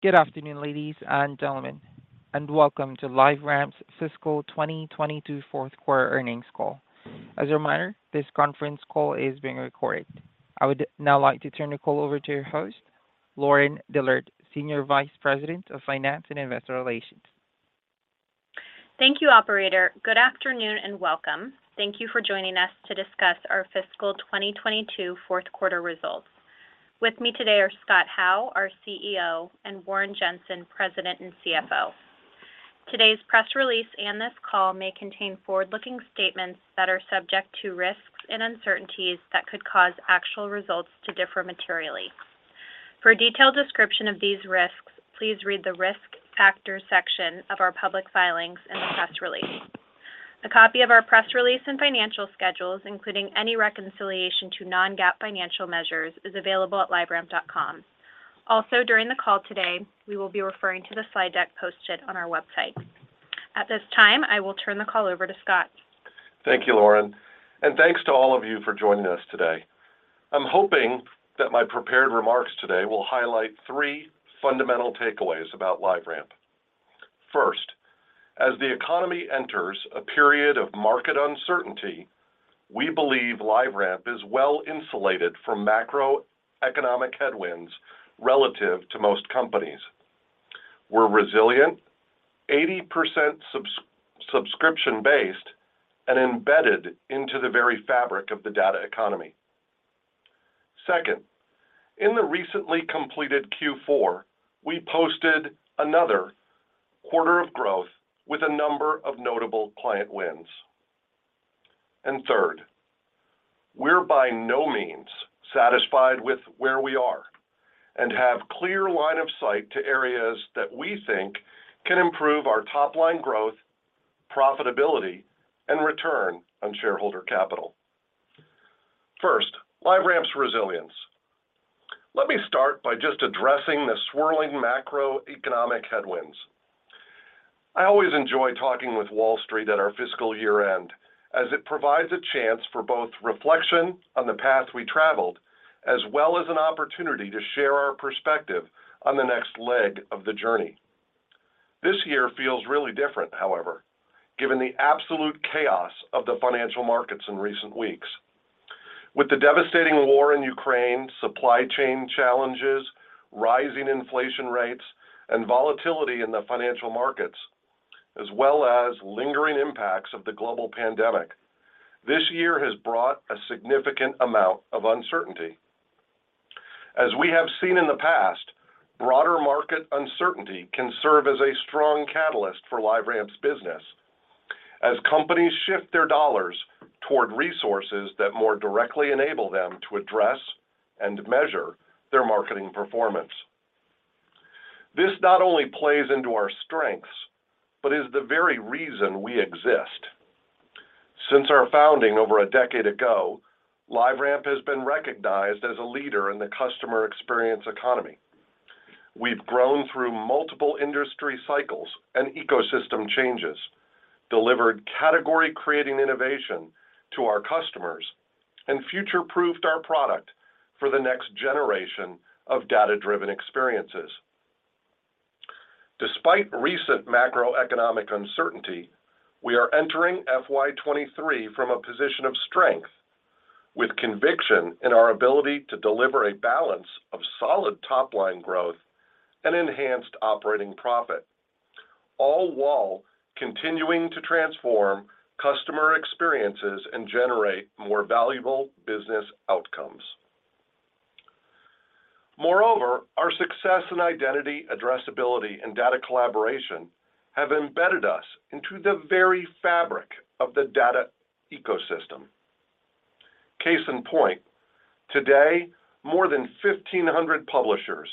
Good afternoon, ladies and gentlemen, and welcome to LiveRamp's Fiscal 2022 fourth quarter earnings call. As a reminder, this conference call is being recorded. I would now like to turn the call over to your host, Lauren Dillard, Senior Vice President of Finance and Investor Relations. Thank you, operator. Good afternoon, and welcome. Thank you for joining us to discuss our fiscal 2022 fourth quarter results. With me today are Scott Howe, our CEO, and Warren Jenson, President and CFO. Today's press release and this call may contain forward-looking statements that are subject to risks and uncertainties that could cause actual results to differ materially. For a detailed description of these risks, please read the Risk Factors section of our public filings in the press release. A copy of our press release and financial schedules, including any reconciliation to non-GAAP financial measures, is available at liveramp.com. Also, during the call today, we will be referring to the slide deck posted on our website. At this time, I will turn the call over to Scott. Thank you, Lauren. Thanks to all of you for joining us today. I'm hoping that my prepared remarks today will highlight three fundamental takeaways about LiveRamp. First, as the economy enters a period of market uncertainty, we believe LiveRamp is well-insulated from macroeconomic headwinds relative to most companies. We're resilient, 80% subscription-based, and embedded into the very fabric of the data economy. Second, in the recently completed Q4, we posted another quarter of growth with a number of notable client wins. Third, we're by no means satisfied with where we are and have clear line of sight to areas that we think can improve our top-line growth, profitability, and return on shareholder capital. First, LiveRamp's resilience. Let me start by just addressing the swirling macroeconomic headwinds. I always enjoy talking with Wall Street at our fiscal year-end, as it provides a chance for both reflection on the path we traveled, as well as an opportunity to share our perspective on the next leg of the journey. This year feels really different, however, given the absolute chaos of the financial markets in recent weeks. With the devastating war in Ukraine, supply chain challenges, rising inflation rates, and volatility in the financial markets, as well as lingering impacts of the global pandemic, this year has brought a significant amount of uncertainty. As we have seen in the past, broader market uncertainty can serve as a strong catalyst for LiveRamp's business as companies shift their dollars toward resources that more directly enable them to address and measure their marketing performance. This not only plays into our strengths, but is the very reason we exist. Since our founding over a decade ago, LiveRamp has been recognized as a leader in the customer experience economy. We've grown through multiple industry cycles and ecosystem changes, delivered category-creating innovation to our customers, and future-proofed our product for the next generation of data-driven experiences. Despite recent macroeconomic uncertainty, we are entering FY 2023 from a position of strength with conviction in our ability to deliver a balance of solid top-line growth and enhanced operating profit, all while continuing to transform customer experiences and generate more valuable business outcomes. Moreover, our success in identity, addressability, and data collaboration have embedded us into the very fabric of the data ecosystem. Case in point, today, more than 1,500 publishers,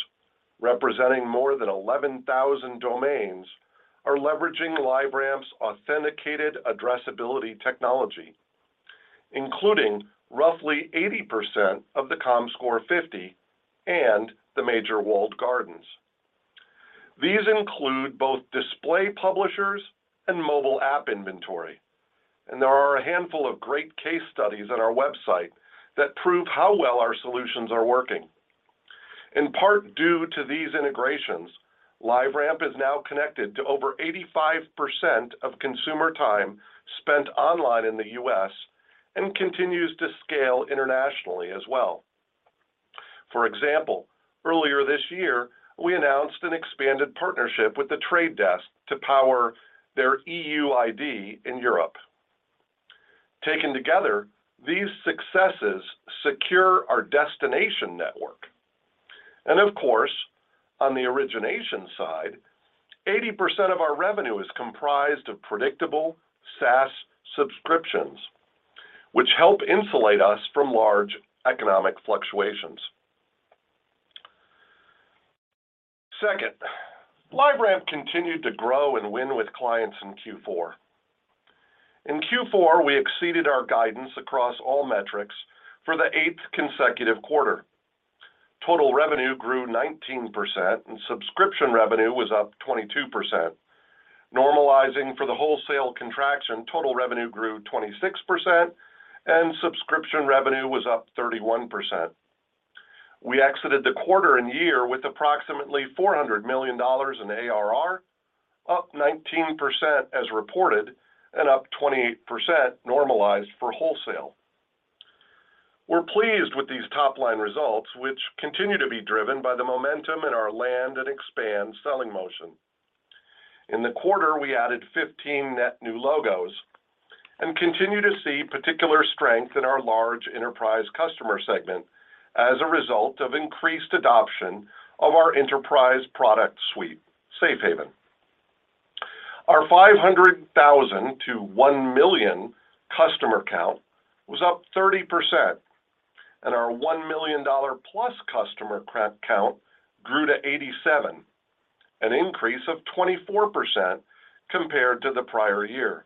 representing more than 11,000 domains, are leveraging LiveRamp's authenticated addressability technology, including roughly 80% of the Comscore 50 and the major walled gardens. These include both display publishers and mobile app inventory, and there are a handful of great case studies on our website that prove how well our solutions are working. In part, due to these integrations, LiveRamp is now connected to over 85% of consumer time spent online in the U.S. and continues to scale internationally as well. For example, earlier this year, we announced an expanded partnership with The Trade Desk to power their EUID in Europe. Taken together, these successes secure our destination network. Of course, on the origination side, 80% of our revenue is comprised of predictable SaaS subscriptions, which help insulate us from large economic fluctuations. Second, LiveRamp continued to grow and win with clients in Q4. In Q4, we exceeded our guidance across all metrics for the eighth consecutive quarter. Total revenue grew 19%, and subscription revenue was up 22%. Normalizing for the wholesale contraction, total revenue grew 26% and subscription revenue was up 31%. We exited the quarter and year with approximately $400 million in ARR, up 19% as reported, and up 28% normalized for wholesale. We're pleased with these top-line results, which continue to be driven by the momentum in our land and expand selling motion. In the quarter, we added 15 net new logos and continue to see particular strength in our large enterprise customer segment as a result of increased adoption of our enterprise product suite, Safe Haven. Our 500,000 to 1 million customer count was up 30%, and our 1 million dollar-plus customer count grew to 87, an increase of 24% compared to the prior year.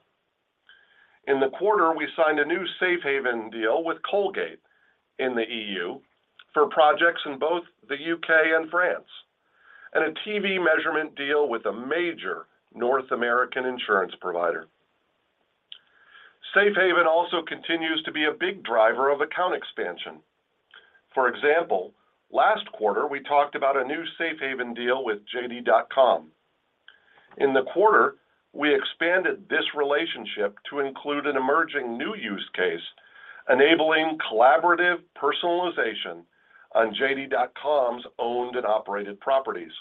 In the quarter, we signed a new Safe Haven deal with Colgate in the EU for projects in both the U.K. and France, and a TV measurement deal with a major North American insurance provider. Safe Haven also continues to be a big driver of account expansion. For example, last quarter, we talked about a new Safe Haven deal with JD.com. In the quarter, we expanded this relationship to include an emerging new use case, enabling collaborative personalization on JD.com's owned and operated properties.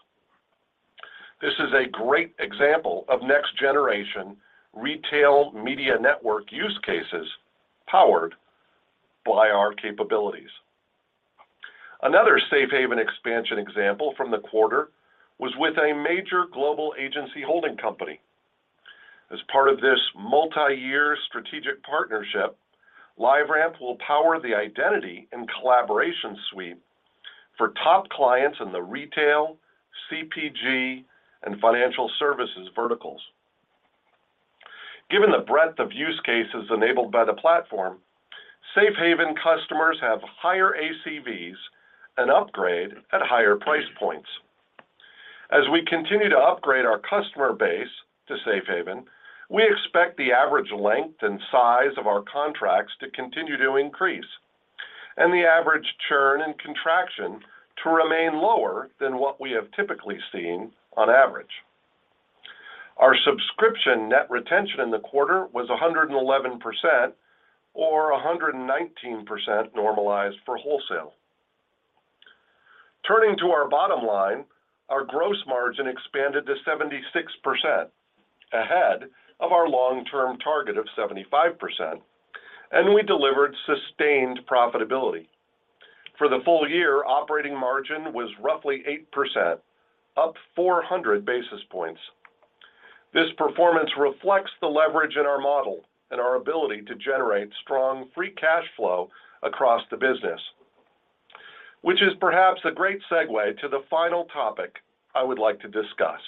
This is a great example of next-generation retail media network use cases powered by our capabilities. Another Safe Haven expansion example from the quarter was with a major global agency holding company. As part of this multi-year strategic partnership, LiveRamp will power the identity and collaboration suite for top clients in the retail, CPG, and financial services verticals. Given the breadth of use cases enabled by the platform, Safe Haven customers have higher ACVs and upgrade at higher price points. As we continue to upgrade our customer base to Safe Haven, we expect the average length and size of our contracts to continue to increase, and the average churn and contraction to remain lower than what we have typically seen on average. Our subscription net retention in the quarter was 111%, or 119% normalized for wholesale. Turning to our bottom line, our gross margin expanded to 76%, ahead of our long-term target of 75%, and we delivered sustained profitability. For the full year, operating margin was roughly 8%, up 400 basis points. This performance reflects the leverage in our model and our ability to generate strong free cash flow across the business, which is perhaps a great segue to the final topic I would like to discuss,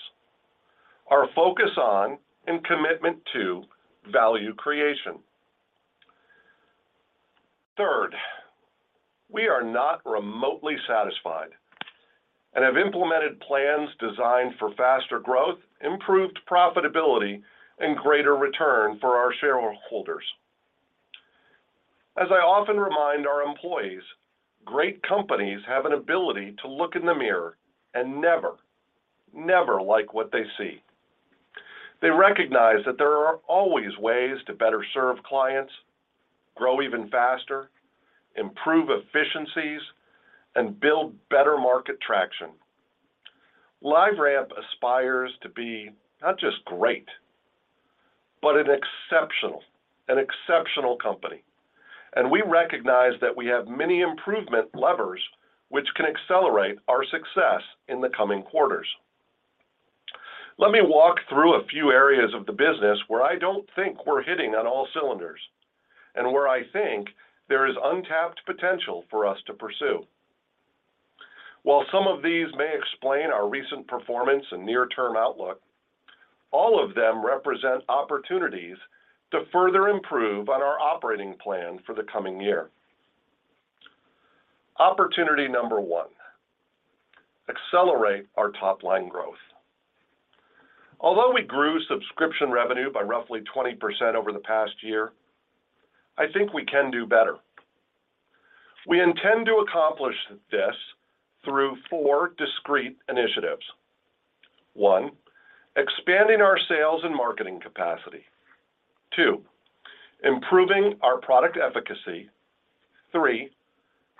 our focus on and commitment to value creation. Third, we are not remotely satisfied and have implemented plans designed for faster growth, improved profitability, and greater return for our shareholders. As I often remind our employees, great companies have an ability to look in the mirror and never like what they see. They recognize that there are always ways to better serve clients, grow even faster, improve efficiencies, and build better market traction. LiveRamp aspires to be not just great, but an exceptional company, and we recognize that we have many improvement levers which can accelerate our success in the coming quarters. Let me walk through a few areas of the business where I don't think we're hitting on all cylinders, and where I think there is untapped potential for us to pursue. While some of these may explain our recent performance and near-term outlook, all of them represent opportunities to further improve on our operating plan for the coming year. Opportunity number one, accelerate our top-line growth. Although we grew subscription revenue by roughly 20% over the past year, I think we can do better. We intend to accomplish this through four discrete initiatives. One, expanding our sales and marketing capacity. Two, improving our product efficacy. Three,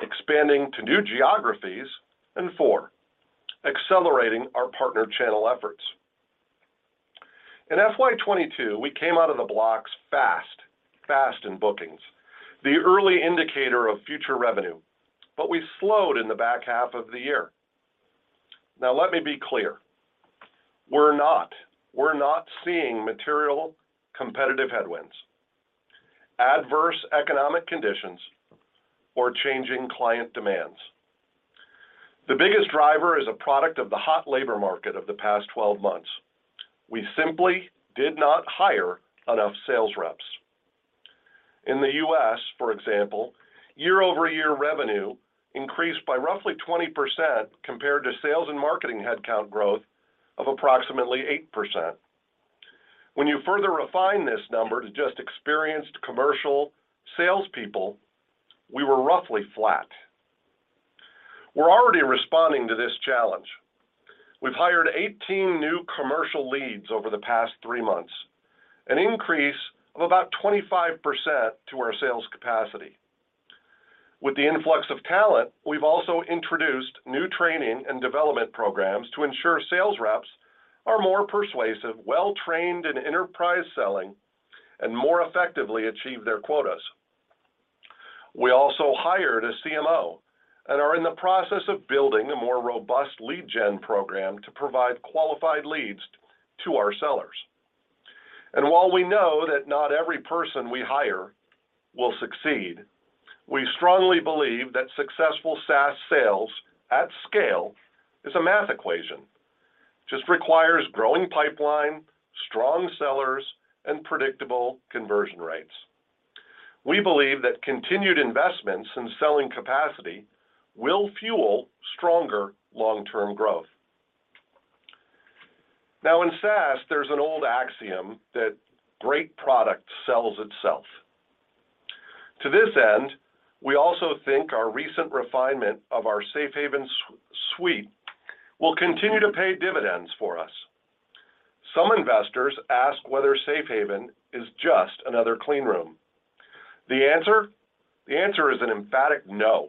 expanding to new geographies. Four, accelerating our partner channel efforts. In FY 2022, we came out of the blocks fast in bookings, the early indicator of future revenue, but we slowed in the back half of the year. Now let me be clear, we're not seeing material competitive headwinds, adverse economic conditions, or changing client demands. The biggest driver is a product of the hot labor market of the past 12 months. We simply did not hire enough sales reps. In the U.S., for example, year-over-year revenue increased by roughly 20% compared to sales and marketing headcount growth of approximately 8%. When you further refine this number to just experienced commercial salespeople, we were roughly flat. We're already responding to this challenge. We've hired 18 new commercial leads over the past three months, an increase of about 25% to our sales capacity. With the influx of talent, we've also introduced new training and development programs to ensure sales reps are more persuasive, well-trained in enterprise selling, and more effectively achieve their quotas. We also hired a CMO and are in the process of building a more robust lead gen program to provide qualified leads to our sellers. While we know that not every person we hire will succeed, we strongly believe that successful SaaS sales at scale is a math equation. Just requires growing pipeline, strong sellers, and predictable conversion rates. We believe that continued investments in selling capacity will fuel stronger long-term growth. Now, in SaaS, there's an old axiom that great product sells itself. To this end, we also think our recent refinement of our Safe Haven suite will continue to pay dividends for us. Some investors ask whether Safe Haven is just another clean room. The answer? The answer is an emphatic no.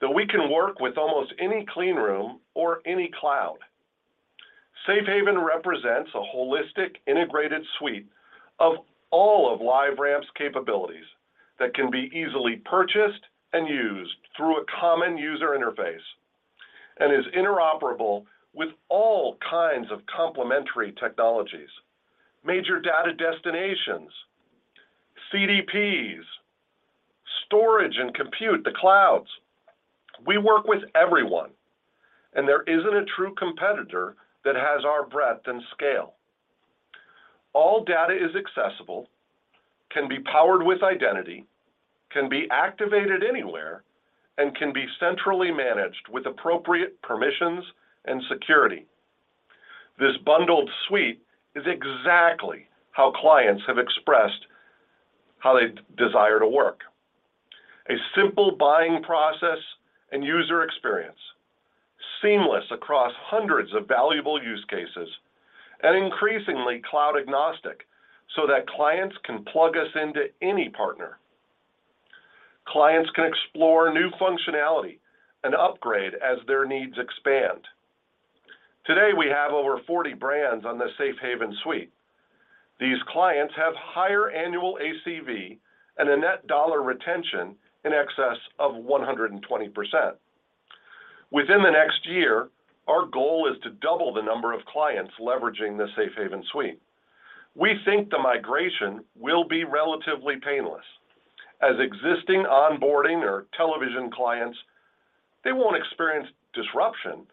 That we can work with almost any clean room or any cloud. Safe Haven represents a holistic, integrated suite of all of LiveRamp's capabilities that can be easily purchased and used through a common user interface and is interoperable with all kinds of complementary technologies, major data destinations, CDPs, storage and compute, the clouds. We work with everyone, and there isn't a true competitor that has our breadth and scale. All data is accessible, can be powered with identity, can be activated anywhere, and can be centrally managed with appropriate permissions and security. This bundled suite is exactly how clients have expressed how they desire to work. A simple buying process and user experience, seamless across hundreds of valuable use cases, and increasingly cloud agnostic so that clients can plug us into any partner. Clients can explore new functionality and upgrade as their needs expand. Today, we have over 40 brands on the Safe Haven suite. These clients have higher annual ACV and a net dollar retention in excess of 120%. Within the next year, our goal is to double the number of clients leveraging the Safe Haven suite. We think the migration will be relatively painless. As existing onboarding or television clients, they won't experience disruption,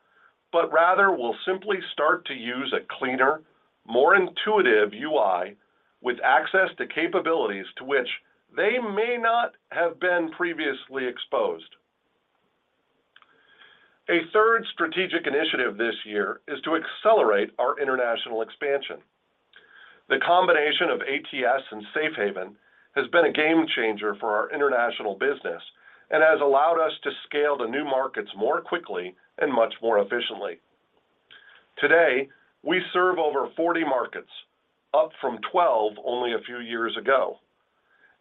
but rather will simply start to use a cleaner, more intuitive UI with access to capabilities to which they may not have been previously exposed. A third strategic initiative this year is to accelerate our international expansion. The combination of ATS and Safe Haven has been a game changer for our international business and has allowed us to scale to new markets more quickly and much more efficiently. Today, we serve over 40 markets, up from 12 only a few years ago.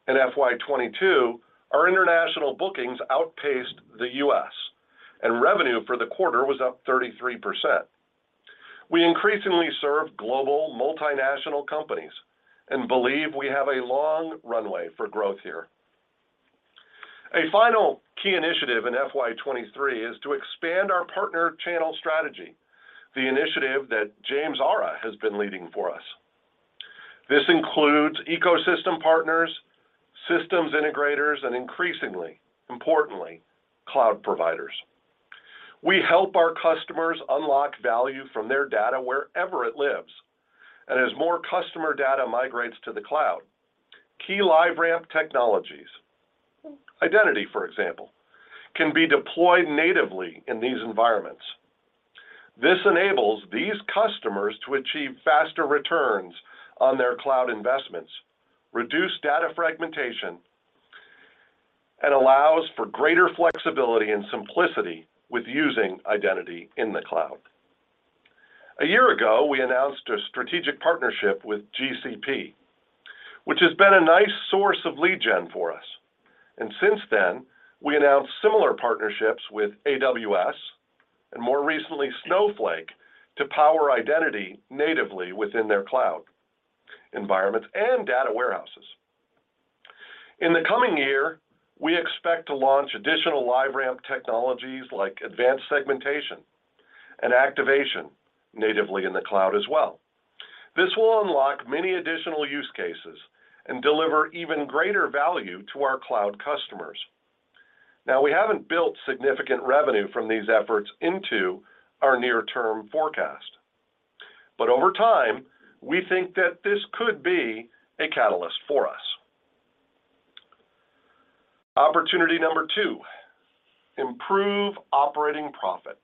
In FY 2022, our international bookings outpaced the U.S., and revenue for the quarter was up 33%. We increasingly serve global multinational companies and believe we have a long runway for growth here. A final key initiative in FY 2023 is to expand our partner channel strategy, the initiative that James Georgeson has been leading for us. This includes ecosystem partners, systems integrators, and increasingly, importantly, cloud providers. We help our customers unlock value from their data wherever it lives. As more customer data migrates to the cloud, key LiveRamp technologies, identity, for example, can be deployed natively in these environments. This enables these customers to achieve faster returns on their cloud investments, reduce data fragmentation, and allows for greater flexibility and simplicity with using identity in the cloud. A year ago, we announced a strategic partnership with GCP, which has been a nice source of lead gen for us. Since then, we announced similar partnerships with AWS and more recently, Snowflake, to power identity natively within their cloud environments and data warehouses. In the coming year, we expect to launch additional LiveRamp technologies like advanced segmentation and activation natively in the cloud as well. This will unlock many additional use cases and deliver even greater value to our cloud customers. Now, we haven't built significant revenue from these efforts into our near term forecast. Over time, we think that this could be a catalyst for us. Opportunity number two, improve operating profit.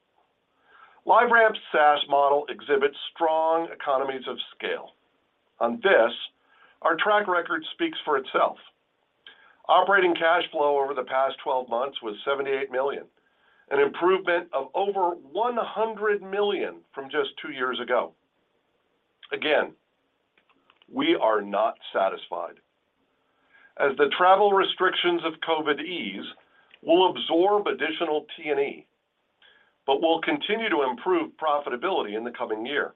LiveRamp's SaaS model exhibits strong economies of scale. On this, our track record speaks for itself. Operating cash flow over the past 12 months was $78 million, an improvement of over $100 million from just two years ago. Again, we are not satisfied. As the travel restrictions of COVID ease, we'll absorb additional T&E, but we'll continue to improve profitability in the coming year.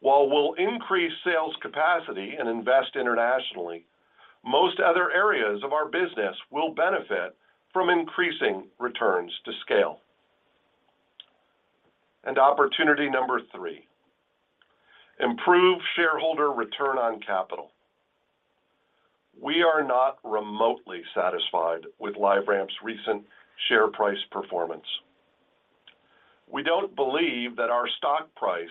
While we'll increase sales capacity and invest internationally, most other areas of our business will benefit from increasing returns to scale. Opportunity number three, improve shareholder return on capital. We are not remotely satisfied with LiveRamp's recent share price performance. We don't believe that our stock price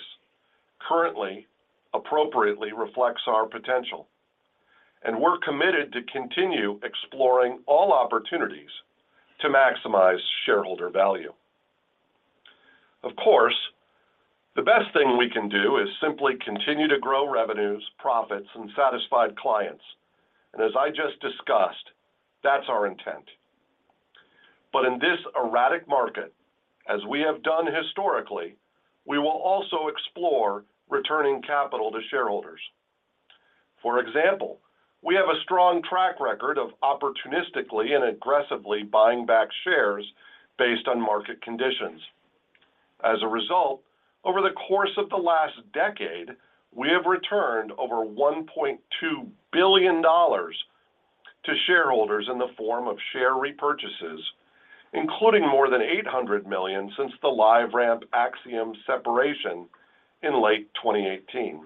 currently appropriately reflects our potential, and we're committed to continue exploring all opportunities to maximize shareholder value. Of course, the best thing we can do is simply continue to grow revenues, profits, and satisfied clients. As I just discussed, that's our intent. In this erratic market, as we have done historically, we will also explore returning capital to shareholders. For example, we have a strong track record of opportunistically and aggressively buying back shares based on market conditions. As a result, over the course of the last decade, we have returned over $1.2 billion to shareholders in the form of share repurchases, including more than $800 million since the LiveRamp Acxiom separation in late 2018.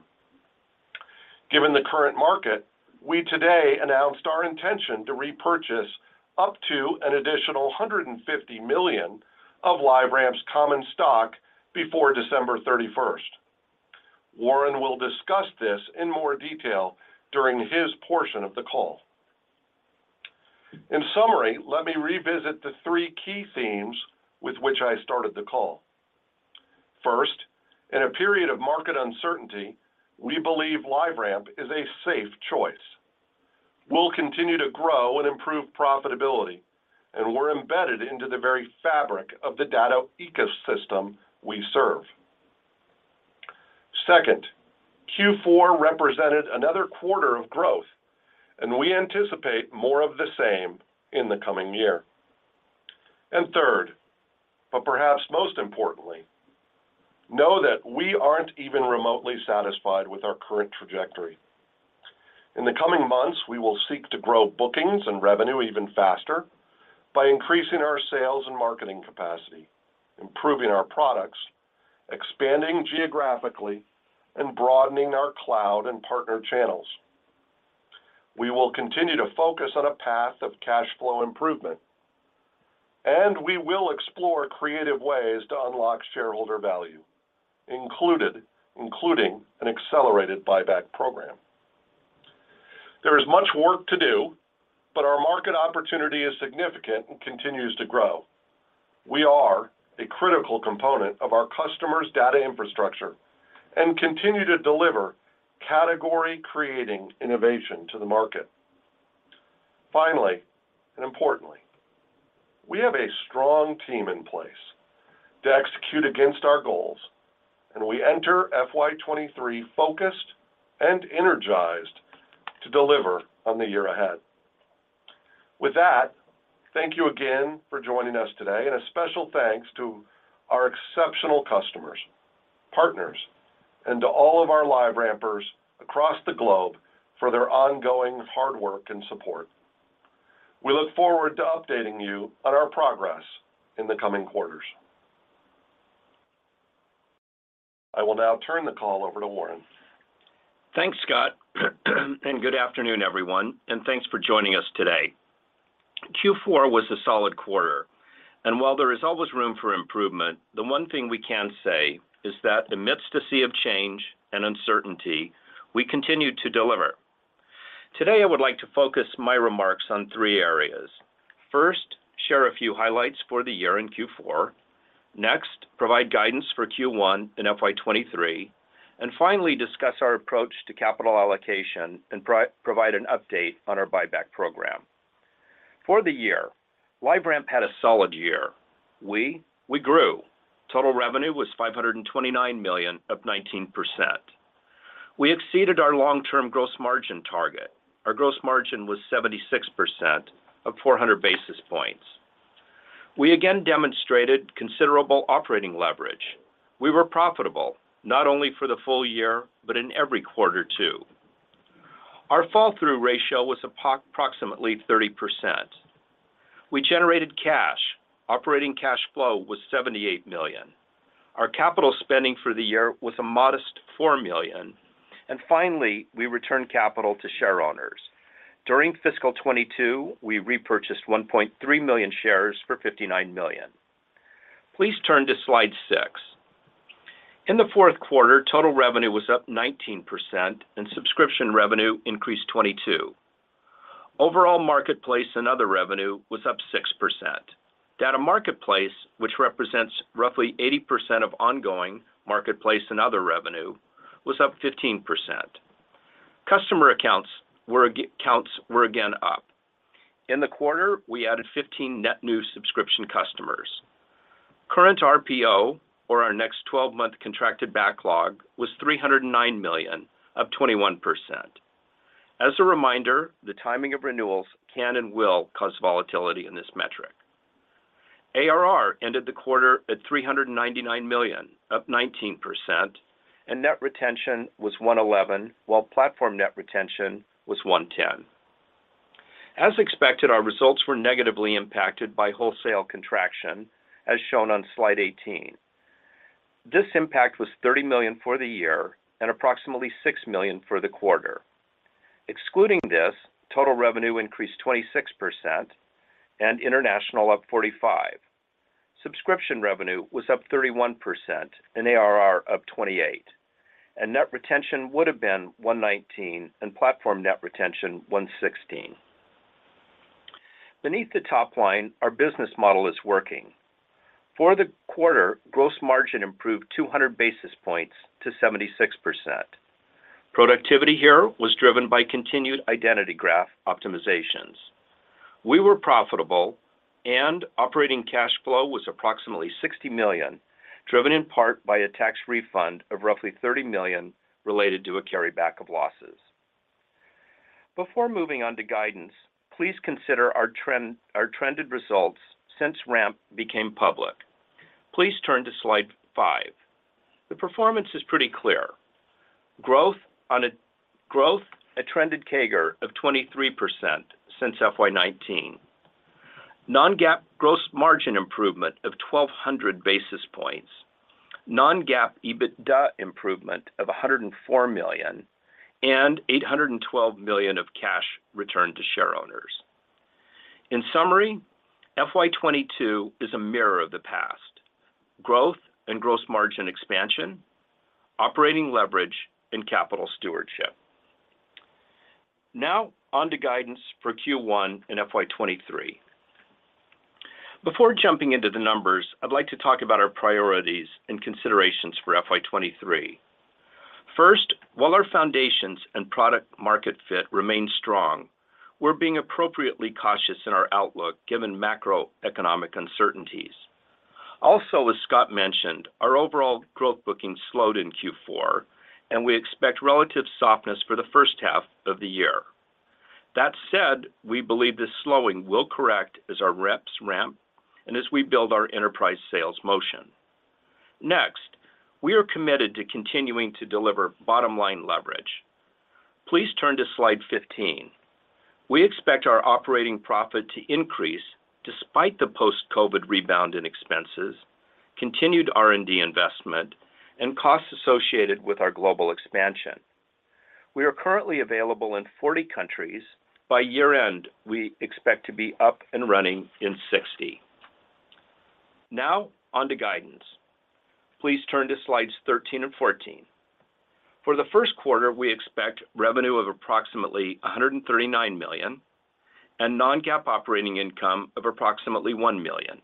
Given the current market, we today announced our intention to repurchase up to an additional $150 million of LiveRamp's common stock before December 31st. Warren will discuss this in more detail during his portion of the call. In summary, let me revisit the three key themes with which I started the call. First, in a period of market uncertainty, we believe LiveRamp is a safe choice. We'll continue to grow and improve profitability, and we're embedded into the very fabric of the data ecosystem we serve. Second, Q4 represented another quarter of growth, and we anticipate more of the same in the coming year. Third, but perhaps most importantly, know that we aren't even remotely satisfied with our current trajectory. In the coming months, we will seek to grow bookings and revenue even faster by increasing our sales and marketing capacity, improving our products, expanding geographically, and broadening our cloud and partner channels. We will continue to focus on a path of cash flow improvement, and we will explore creative ways to unlock shareholder value, including an accelerated buyback program. There is much work to do, but our market opportunity is significant and continues to grow. We are a critical component of our customers' data infrastructure and continue to deliver category-creating innovation to the market. Finally, and importantly, we have a strong team in place to execute against our goals, and we enter FY 2023 focused and energized to deliver on the year ahead. With that, thank you again for joining us today, and a special thanks to our exceptional customers, partners, and to all of our LiveRampers across the globe for their ongoing hard work and support. We look forward to updating you on our progress in the coming quarters. I will now turn the call over to Warren. Thanks, Scott, and good afternoon, everyone, and thanks for joining us today. Q4 was a solid quarter, and while there is always room for improvement, the one thing we can say is that amidst a sea of change and uncertainty, we continue to deliver. Today, I would like to focus my remarks on three areas. First, share a few highlights for the year in Q4. Next, provide guidance for Q1 and FY 2023. Finally, discuss our approach to capital allocation and provide an update on our buyback program. For the year, LiveRamp had a solid year. We grew. Total revenue was $529 million up 19%. We exceeded our long-term gross margin target. Our gross margin was 76% up 400 basis points. We again demonstrated considerable operating leverage. We were profitable, not only for the full year, but in every quarter too. Our fall-through ratio was approximately 30%. We generated cash. Operating cash flow was $78 million. Our capital spending for the year was a modest $4 million. Finally, we returned capital to share owners. During fiscal 2022, we repurchased 1.3 million shares for $59 million. Please turn to slide six. In the fourth quarter, total revenue was up 19% and subscription revenue increased 22%. Overall marketplace and other revenue was up 6%. Data Marketplace, which represents roughly 80% of ongoing marketplace and other revenue, was up 15%. Customer accounts were again up. In the quarter, we added 15 net new subscription customers. Current RPO, or our next twelve-month contracted backlog, was $309 million, up 21%. As a reminder, the timing of renewals can and will cause volatility in this metric. ARR ended the quarter at $399 million, up 19%, and net retention was 111, while platform net retention was 110. As expected, our results were negatively impacted by wholesale contraction, as shown on slide 18. This impact was $30 million for the year and approximately $6 million for the quarter. Excluding this, total revenue increased 26% and international up 45%. Subscription revenue was up 31% and ARR up 28%. Net retention would have been 119 and platform net retention 116. Beneath the top line, our business model is working. For the quarter, gross margin improved 200 basis points to 76%. Productivity here was driven by continued identity graph optimizations. We were profitable and operating cash flow was approximately $60 million, driven in part by a tax refund of roughly $30 million related to a carryback of losses. Before moving on to guidance, please consider our trend, our trended results since LiveRamp became public. Please turn to slide five. The performance is pretty clear. Growth at trended CAGR of 23% since FY 2019. Non-GAAP gross margin improvement of 1,200 basis points. Non-GAAP EBITDA improvement of $104 million and $812 million of cash returned to shareholders. In summary, FY 2022 is a mirror of the past. Growth and gross margin expansion, operating leverage, and capital stewardship. Now on to guidance for Q1 and FY 2023. Before jumping into the numbers, I'd like to talk about our priorities and considerations for FY 2023. First, while our foundations and product market fit remain strong, we're being appropriately cautious in our outlook given macroeconomic uncertainties. Also, as Scott mentioned, our overall growth bookings slowed in Q4, and we expect relative softness for the first half of the year. That said, we believe this slowing will correct as our reps ramp and as we build our enterprise sales motion. Next, we are committed to continuing to deliver bottom-line leverage. Please turn to slide 15. We expect our operating profit to increase despite the post-COVID rebound in expenses, continued R&D investment, and costs associated with our global expansion. We are currently available in 40 countries. By year-end, we expect to be up and running in 60. Now on to guidance. Please turn to slides 13 and 14. For the first quarter, we expect revenue of approximately $139 million and non-GAAP operating income of approximately $1 million.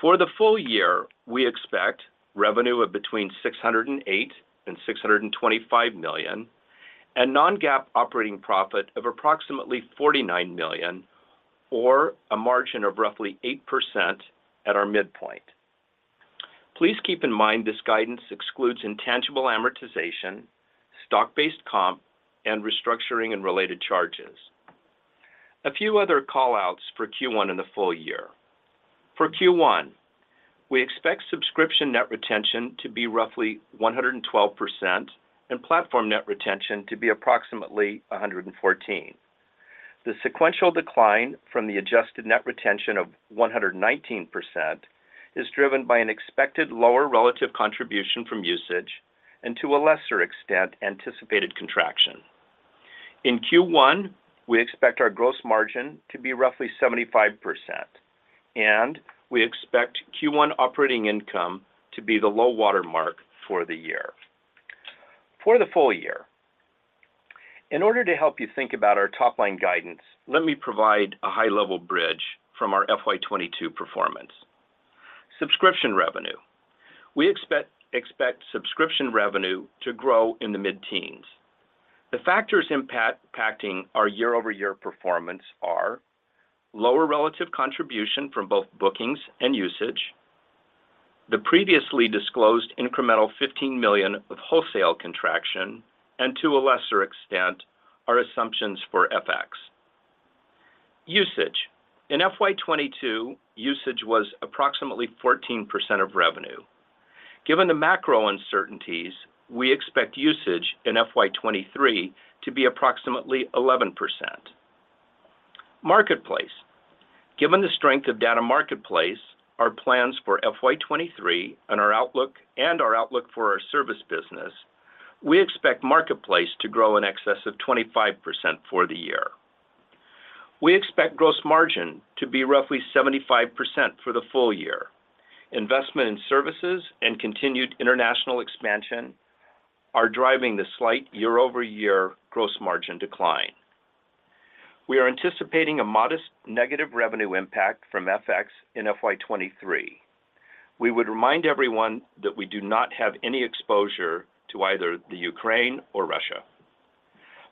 For the full year, we expect revenue of between $608 million and $625 million and non-GAAP operating profit of approximately $49 million or a margin of roughly 8% at our midpoint. Please keep in mind this guidance excludes intangible amortization, stock-based comp, and restructuring and related charges. A few other call-outs for Q1 and the full year. For Q1, we expect subscription net retention to be roughly 112% and platform net retention to be approximately 114%. The sequential decline from the adjusted net retention of 119% is driven by an expected lower relative contribution from usage and to a lesser extent, anticipated contraction. In Q1, we expect our gross margin to be roughly 75%, and we expect Q1 operating income to be the low water mark for the year for the full year. In order to help you think about our top-line guidance, let me provide a high-level bridge from our FY 2022 performance. Subscription revenue. We expect subscription revenue to grow in the mid-teens. The factors impacting our year-over-year performance are lower relative contribution from both bookings and usage, the previously disclosed incremental $15 million of wholesale contraction, and to a lesser extent, our assumptions for FX. Usage. In FY 2022, usage was approximately 14% of revenue. Given the macro uncertainties, we expect usage in FY 2023 to be approximately 11%. Marketplace, Given the strength of Data Marketplace, our plans for FY 2023 and our outlook, and our outlook for our service business, we expect Marketplace to grow in excess of 25% for the year. We expect gross margin to be roughly 75% for the full year. Investment in services and continued international expansion are driving the slight year-over-year gross margin decline. We are anticipating a modest negative revenue impact from FX in FY 2023. We would remind everyone that we do not have any exposure to either the Ukraine or Russia.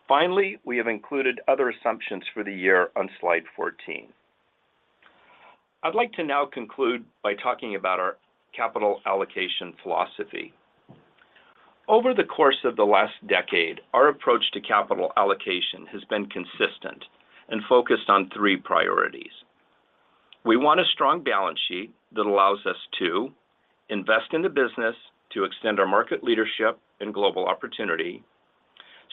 Finally, we have included other assumptions for the year on slide 14. I'd like to now conclude by talking about our capital allocation philosophy. Over the course of the last decade, our approach to capital allocation has been consistent and focused on three priorities. We want a strong balance sheet that allows us to invest in the business to extend our market leadership and global opportunity,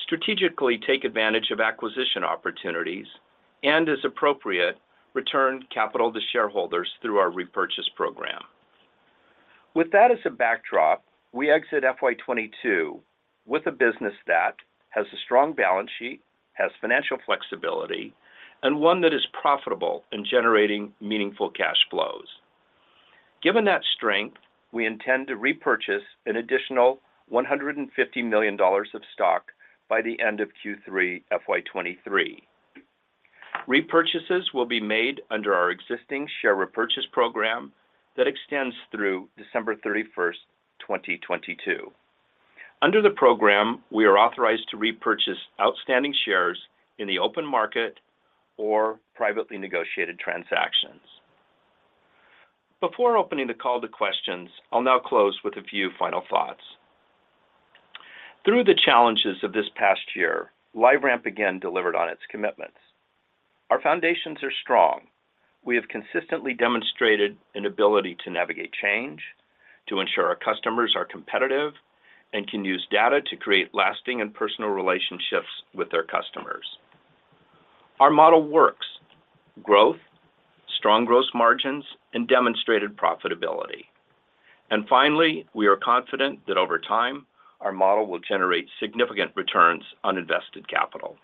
strategically take advantage of acquisition opportunities, and as appropriate, return capital to shareholders through our repurchase program. With that as a backdrop, we exit FY 2022 with a business that has a strong balance sheet, has financial flexibility, and one that is profitable in generating meaningful cash flows. Given that strength, we intend to repurchase an additional $150 million of stock by the end of Q3 FY 2023. Repurchases will be made under our existing share repurchase program that extends through December 31, 2022. Under the program, we are authorized to repurchase outstanding shares in the open market or privately negotiated transactions. Before opening the call to questions, I'll now close with a few final thoughts. Through the challenges of this past year, LiveRamp again delivered on its commitments. Our foundations are strong. We have consistently demonstrated an ability to navigate change, to ensure our customers are competitive, and can use data to create lasting and personal relationships with their customers. Our model works. Growth, strong gross margins, and demonstrated profitability. Finally, we are confident that over time, our model will generate significant returns on invested capital.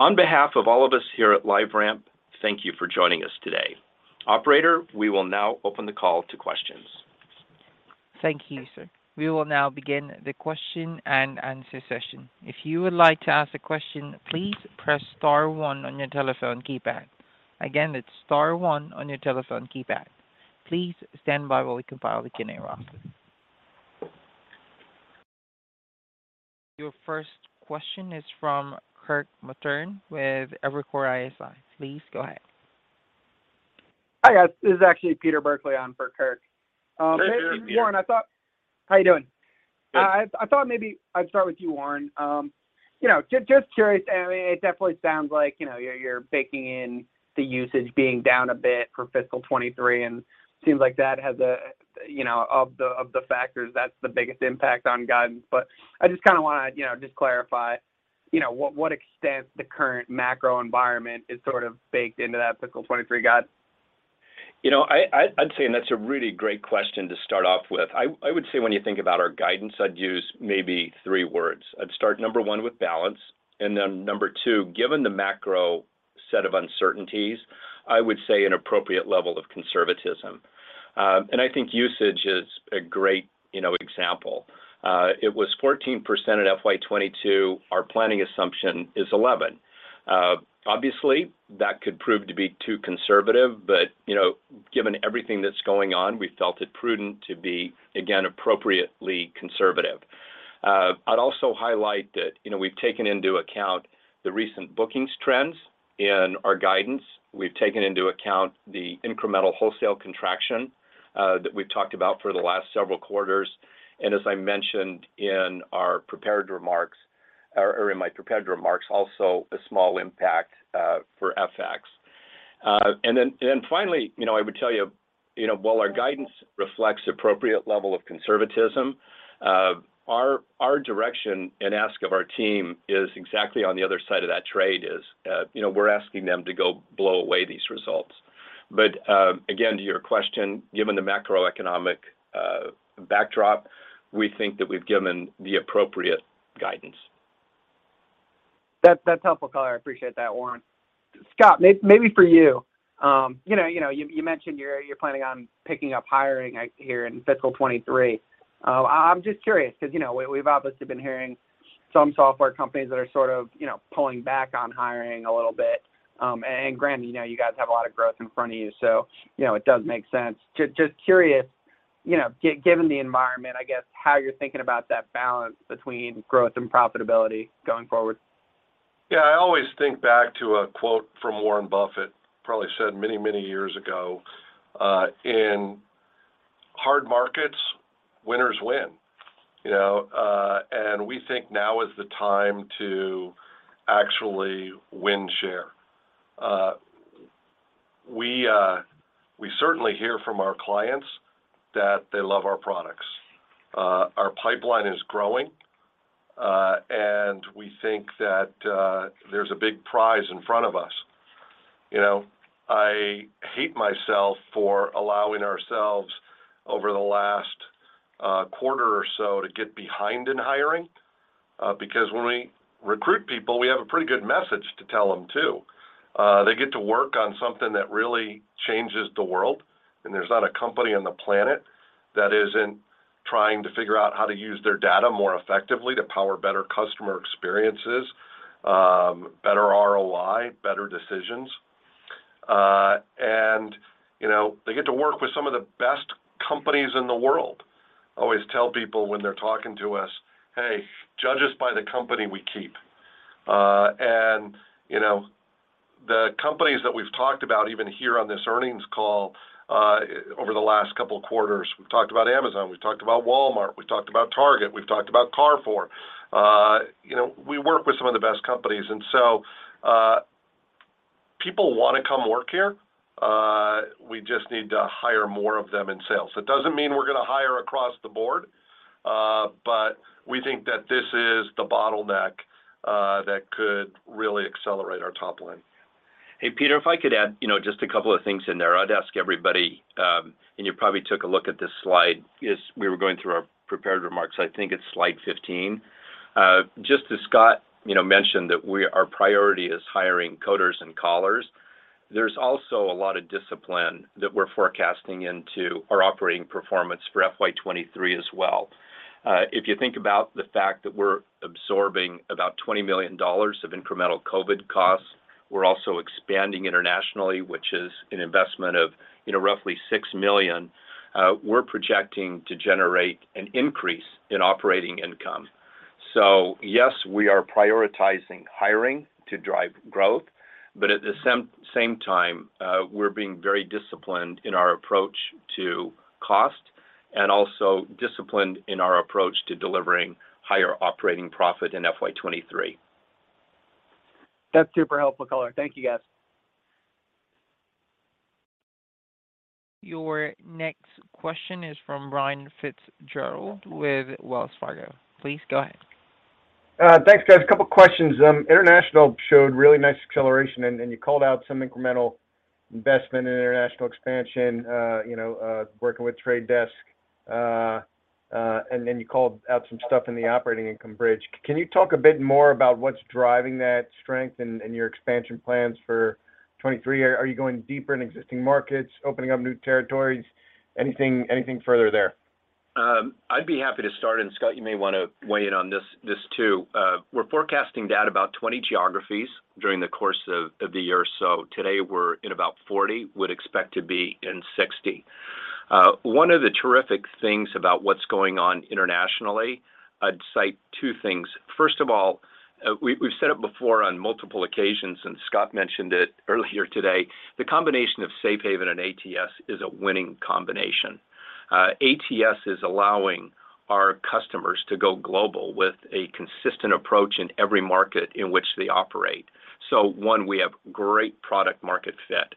On behalf of all of us here at LiveRamp, thank you for joining us today. Operator, we will now open the call to questions. Thank you, sir. We will now begin the question and answer session. If you would like to ask a question, please press star one on your telephone keypad. Again, it's star one on your telephone keypad. Please stand by while we compile the queue in progress. Your first question is from Kirk Materne with Evercore ISI. Please go ahead. Hi, guys. This is actually Peter Burkly on for Kirk. Hey, Peter. Thank you, Warren. How you doing? Good. I thought maybe I'd start with you, Warren. You know, just curious. I mean, it definitely sounds like, you know, you're baking in the usage being down a bit for fiscal 2023, and seems like that's one of the factors, that's the biggest impact on guidance. I just kinda wanna, you know, just clarify, you know, what extent the current macro environment is sort of baked into that fiscal 2023 guidance. You know, I'd say that's a really great question to start off with. I would say when you think about our guidance, I'd use maybe three words. I'd start, number one, with balance, and then number two, given the macro set of uncertainties, I would say an appropriate level of conservatism. I think usage is a great, you know, example. It was 14% at FY 2022. Our planning assumption is 11%. Obviously, that could prove to be too conservative, but, you know, given everything that's going on, we felt it prudent to be, again, appropriately conservative. I'd also highlight that, you know, we've taken into account the recent bookings trends in our guidance. We've taken into account the incremental wholesale contraction that we've talked about for the last several quarters. As I mentioned in our prepared remarks, or in my prepared remarks, also a small impact for FX. Finally, you know, I would tell you know, while our guidance reflects appropriate level of conservatism, our direction and ask of our team is exactly on the other side of that trade is. You know, we're asking them to go blow away these results. Again, to your question, given the macroeconomic backdrop, we think that we've given the appropriate guidance. That's helpful color. I appreciate that, Warren. Scott, maybe for you. You mentioned you're planning on picking up hiring here in fiscal 2023. I'm just curious, 'cause, you know, we've obviously been hearing some software companies that are sort of, you know, pulling back on hiring a little bit. Granted, you know, you guys have a lot of growth in front of you, so, you know, it does make sense. Just curious, you know, given the environment, I guess, how you're thinking about that balance between growth and profitability going forward. Yeah. I always think back to a quote from Warren Buffett, probably said many, many years ago, "In hard markets, winners win." You know, and we think now is the time to actually win share. We certainly hear from our clients that they love our products. Our pipeline is growing, and we think that there's a big prize in front of us. You know, I hate myself for allowing ourselves over the last quarter or so to get behind in hiring, because when we recruit people, we have a pretty good message to tell them too. They get to work on something that really changes the world, and there's not a company on the planet that isn't trying to figure out how to use their data more effectively to power better customer experiences, better ROI, better decisions. You know, they get to work with some of the best companies in the world. I always tell people when they're talking to us, "Hey, judge us by the company we keep." You know, the companies that we've talked about even here on this earnings call, over the last couple of quarters, we've talked about Amazon, we've talked about Walmart, we've talked about Target, we've talked about Carrefour. You know, we work with some of the best companies. People wanna come work here, we just need to hire more of them in sales. It doesn't mean we're gonna hire across the board, but we think that this is the bottleneck that could really accelerate our top line. Hey, Peter, if I could add, you know, just a couple of things in there. I'd ask everybody, and you probably took a look at this slide as we were going through our prepared remarks. I think it's slide 15. Just as Scott, you know, mentioned that our priority is hiring coders and callers. There's also a lot of discipline that we're forecasting into our operating performance for FY 2023 as well. If you think about the fact that we're absorbing about $20 million of incremental COVID costs, we're also expanding internationally, which is an investment of, you know, roughly $6 million. We're projecting to generate an increase in operating income. Yes, we are prioritizing hiring to drive growth. At the same time, we're being very disciplined in our approach to cost and also disciplined in our approach to delivering higher operating profit in FY 2023. That's super helpful color. Thank you, guys. Your next question is from Brian Fitzgerald with Wells Fargo. Please go ahead. Thanks, guys. A couple questions. International showed really nice acceleration, and you called out some incremental investment in international expansion, you know, working with The Trade Desk, and then you called out some stuff in the operating income bridge. Can you talk a bit more about what's driving that strength and your expansion plans for 2023? Are you going deeper in existing markets, opening up new territories? Anything further there? I'd be happy to start, and Scott, you may wanna weigh in on this too. We're forecasting to add about 20 geographies during the course of the year. Today we're in about 40, would expect to be in 60. One of the terrific things about what's going on internationally, I'd cite two things. First of all, we've said it before on multiple occasions, and Scott mentioned it earlier today, the combination of Safe Haven and ATS is a winning combination. ATS is allowing our customers to go global with a consistent approach in every market in which they operate. One, we have great product market fit.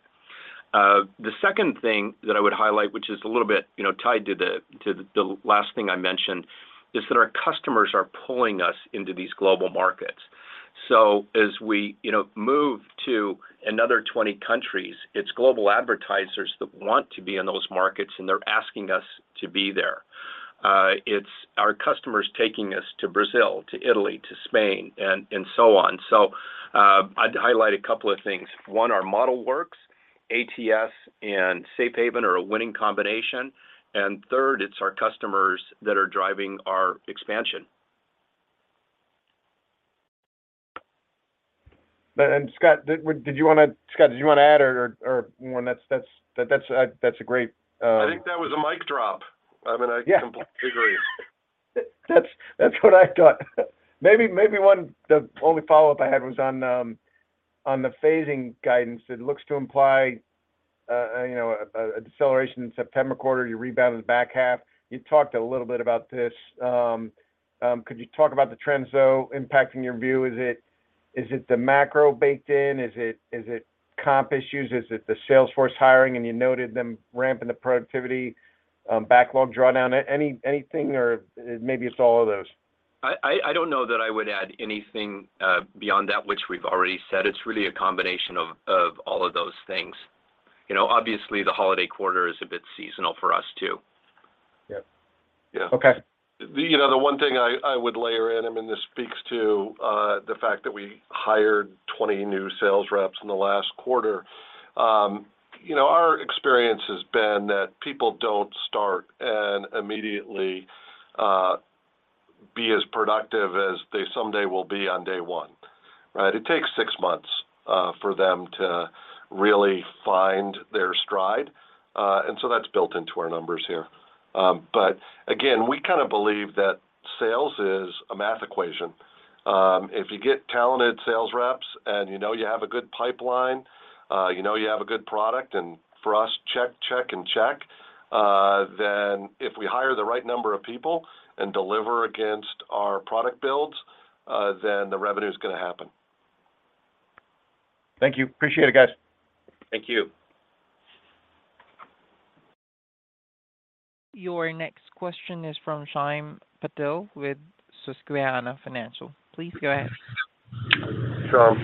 The second thing that I would highlight, which is a little bit, you know, tied to the last thing I mentioned, is that our customers are pulling us into these global markets. As we, you know, move to another 20 countries, it's global advertisers that want to be in those markets, and they're asking us to be there. It's our customers taking us to Brazil, to Italy, to Spain, and so on. I'd highlight a couple of things. One, our model works. ATS and Safe Haven are a winning combination. Third, it's our customers that are driving our expansion. Scott, did you wanna add or? I mean, that's a great. I think that was a mic drop. I mean, I completely agree. That's what I thought. Maybe one the only follow-up I had was on the phasing guidance. It looks to imply a deceleration in September quarter, you rebound in the back half. You talked a little bit about this. Could you talk about the trends, though, impacting your view? Is it the macro baked in? Is it comp issues? Is it the sales force hiring, and you noted them ramping the productivity, backlog drawdown? Anything, or maybe it's all of those. I don't know that I would add anything beyond that which we've already said. It's really a combination of all of those things. You know, obviously the holiday quarter is a bit seasonal for us too. Yeah. Yeah. Okay. You know, the one thing I would layer in, I mean, this speaks to the fact that we hired 20 new sales reps in the last quarter. You know, our experience has been that people don't start and immediately be as productive as they someday will be on day one, right? It takes six months for them to really find their stride, and so that's built into our numbers here. Again, we kinda believe that sales is a math equation. If you get talented sales reps and you know you have a good pipeline, you know you have a good product, and for us, check, and check, then if we hire the right number of people and deliver against our product builds, then the revenue is gonna happen. Thank you. Appreciate it, guys. Thank you. Your next question is from Shyam Patil with Susquehanna Financial. Please go ahead. Shyam.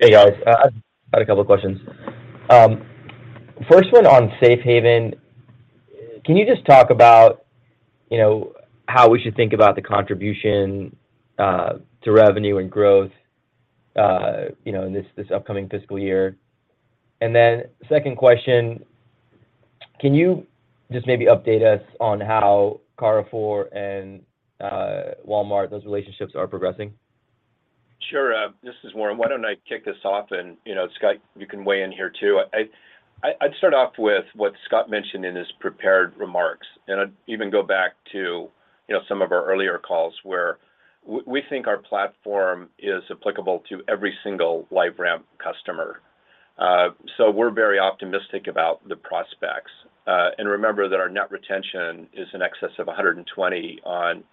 Hey, guys. I've got a couple of questions. First one on Safe Haven. Can you just talk about, you know, how we should think about the contribution to revenue and growth, you know, in this upcoming fiscal year? Second question, can you just maybe update us on how Carrefour and Walmart, those relationships are progressing? Sure. This is Warren. Why don't I kick this off and, you know, Scott, you can weigh in here too. I'd start off with what Scott mentioned in his prepared remarks, and I'd even go back to, you know, some of our earlier calls where we think our platform is applicable to every single LiveRamp customer. So we're very optimistic about the prospects. Remember that our net retention is in excess of 120 on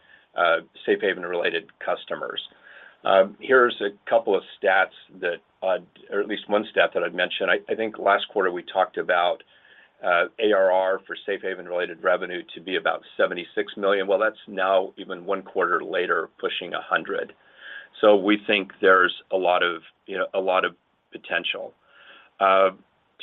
Safe Haven related customers. Here's a couple of stats, or at least one stat that I'd mention. I think last quarter we talked about ARR for Safe Haven related revenue to be about $76 million. Well, that's now even one quarter later pushing $100 million. So we think there's a lot of, you know, a lot of potential.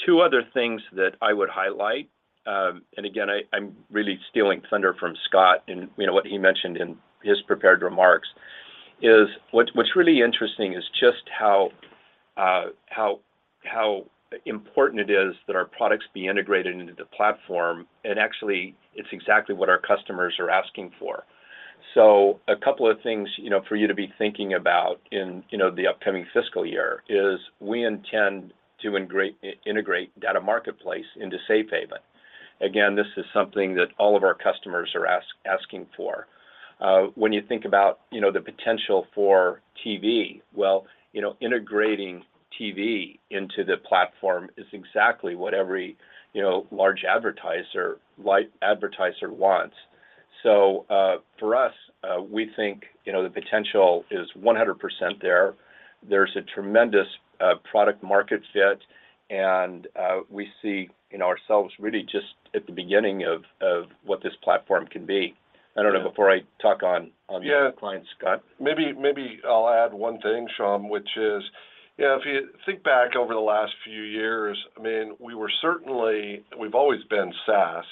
Two other things that I would highlight, and again, I'm really stealing thunder from Scott and, you know, what he mentioned in his prepared remarks is what's really interesting is just how important it is that our products be integrated into the platform. Actually, it's exactly what our customers are asking for. A couple of things, you know, for you to be thinking about in, you know, the upcoming fiscal year is we intend to integrate Data Marketplace into Safe Haven. Again, this is something that all of our customers are asking for. When you think about, you know, the potential for TV, you know, integrating TV into the platform is exactly what every, you know, large advertiser wants. For us, we think, you know, the potential is 100% there. There's a tremendous product market fit, and we see in ourselves really just at the beginning of what this platform can be. I don't know, before I talk on. Yeah the other clients, Scott. Maybe I'll add one thing, Shyam, which is, you know, if you think back over the last few years, I mean, we've always been SaaS,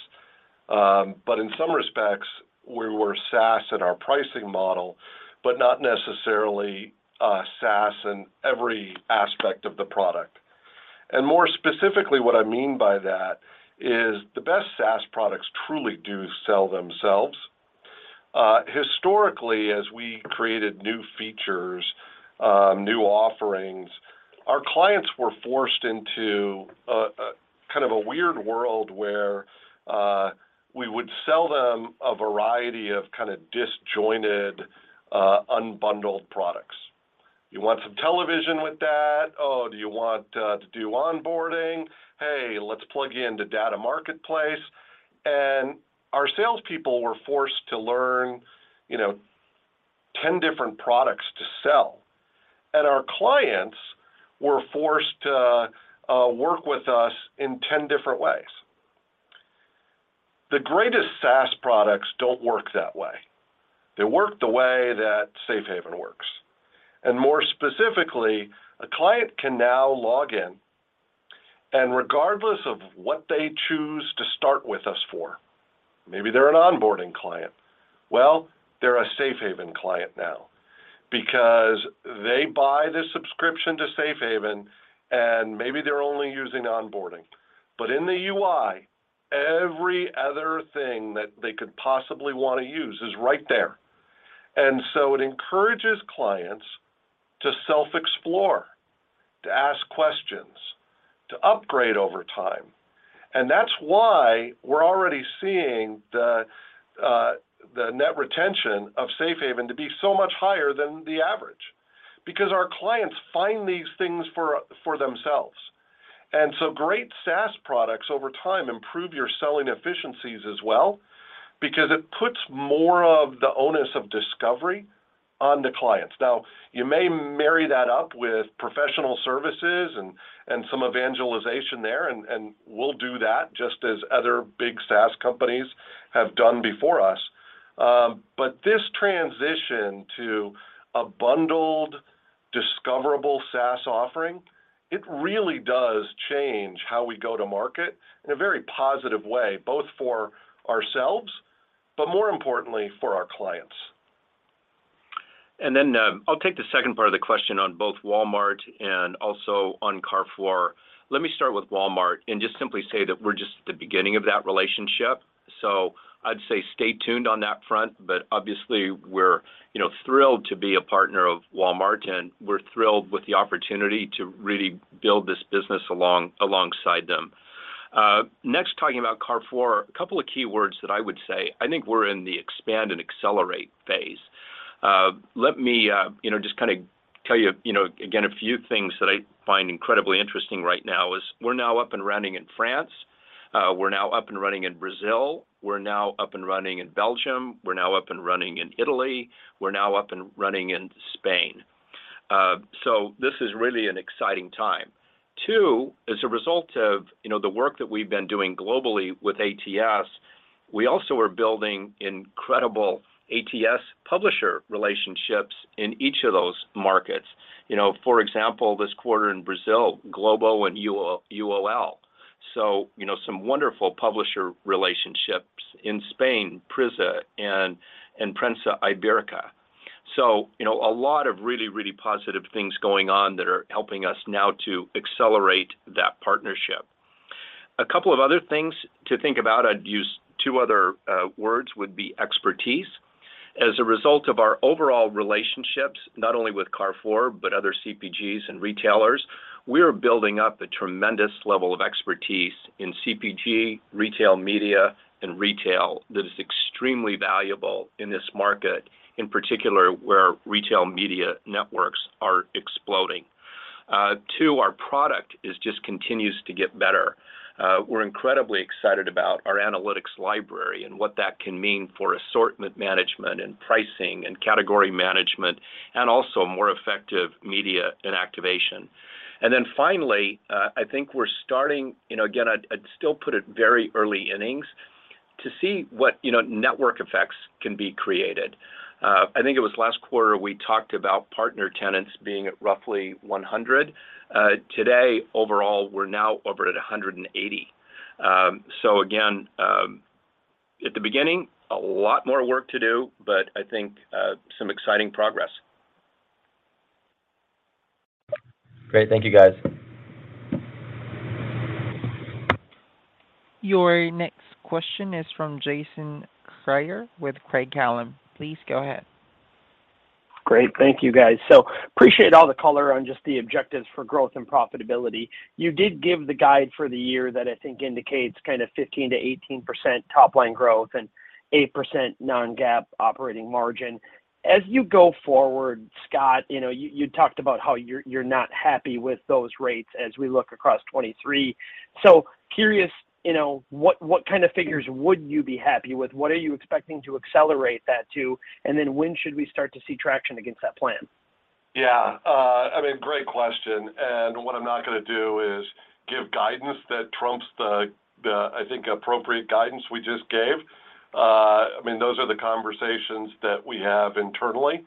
but in some respects, we were SaaS in our pricing model, but not necessarily, SaaS in every aspect of the product. More specifically, what I mean by that is the best SaaS products truly do sell themselves. Historically, as we created new features, new offerings, our clients were forced into kind of a weird world where we would sell them a variety of kind of disjointed, unbundled products. You want some television with that? Oh, do you want to do onboarding? Hey, let's plug into Data Marketplace. Our salespeople were forced to learn, you know, 10 different products to sell. Our clients were forced to work with us in 10 different ways. The greatest SaaS products don't work that way. They work the way that Safe Haven works. More specifically, a client can now log in, and regardless of what they choose to start with us for, maybe they're an onboarding client, well, they're a Safe Haven client now because they buy the subscription to Safe Haven, and maybe they're only using onboarding. But in the UI, every other thing that they could possibly want to use is right there. It encourages clients to self-explore, to ask questions, to upgrade over time. That's why we're already seeing the net retention of Safe Haven to be so much higher than the average, because our clients find these things for themselves. Great SaaS products over time improve your selling efficiencies as well because it puts more of the onus of discovery on the clients. Now, you may marry that up with professional services and some evangelization there, and we'll do that just as other big SaaS companies have done before us. This transition to a bundled, discoverable SaaS offering really does change how we go to market in a very positive way, both for ourselves, but more importantly for our clients. Then, I'll take the second part of the question on both Walmart and also on Carrefour. Let me start with Walmart and just simply say that we're just at the beginning of that relationship. I'd say stay tuned on that front. But obviously, we're, you know, thrilled to be a partner of Walmart, and we're thrilled with the opportunity to really build this business alongside them. Next, talking about Carrefour, a couple of key words that I would say, I think we're in the expand and accelerate phase. Let me, you know, just kind of tell you know, again, a few things that I find incredibly interesting right now is we're now up and running in France. We're now up and running in Brazil. We're now up and running in Belgium. We're now up and running in Italy. We're now up and running in Spain. This is really an exciting time. Too, as a result of, you know, the work that we've been doing globally with ATS, we also are building incredible ATS publisher relationships in each of those markets. You know, for example, this quarter in Brazil, Globo and UOL. Some wonderful publisher relationships. In Spain, Prisa and Prensa Ibérica. A lot of really positive things going on that are helping us now to accelerate that partnership. A couple of other things to think about. I'd use two other words, would be expertise. As a result of our overall relationships, not only with Carrefour, but other CPGs and retailers, we are building up a tremendous level of expertise in CPG, retail media, and retail that is extremely valuable in this market, in particular, where retail media networks are exploding. Two, our product is just continues to get better. We're incredibly excited about our analytics library and what that can mean for assortment management and pricing and category management, and also more effective media and activation. Then finally, I think we're starting, you know, again, I'd still put it very early innings to see what, you know, network effects can be created. I think it was last quarter, we talked about partner tenants being at roughly 100. Today overall, we're now over at 180. Again, at the beginning, a lot more work to do, but I think, some exciting progress. Great. Thank you, guys. Your next question is from Jason Kreyer with Craig-Hallum. Please go ahead. Great. Thank you, guys. Appreciate all the color on just the objectives for growth and profitability. You did give the guide for the year that I think indicates kind of 15%-18% top-line growth and 8% non-GAAP operating margin. As you go forward, Scott, you know, you talked about how you're not happy with those rates as we look across 2023. Curious, you know, what kind of figures would you be happy with? What are you expecting to accelerate that to? And then when should we start to see traction against that plan? Yeah. I mean, great question. What I'm not gonna do is give guidance that trumps the I think appropriate guidance we just gave. I mean, those are the conversations that we have internally.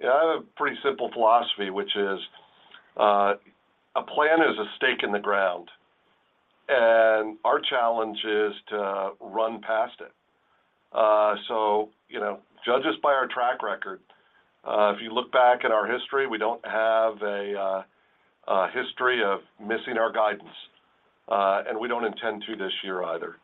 Yeah, I have a pretty simple philosophy, which is, a plan is a stake in the ground, and our challenge is to run past it. You know, judge us by our track record. If you look back at our history, we don't have a history of missing our guidance, and we don't intend to this year either.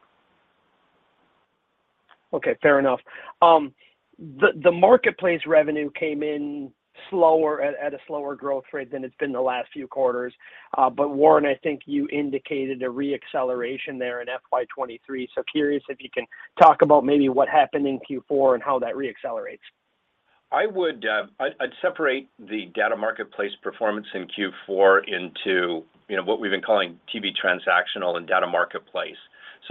Okay. Fair enough. The marketplace revenue came in at a slower growth rate than it's been the last few quarters. Warren, I think you indicated a re-acceleration there in FY 2023. Curious if you can talk about maybe what happened in Q4 and how that re-accelerates. I'd separate the Data Marketplace performance in Q4 into what we've been calling TV transactional and Data Marketplace.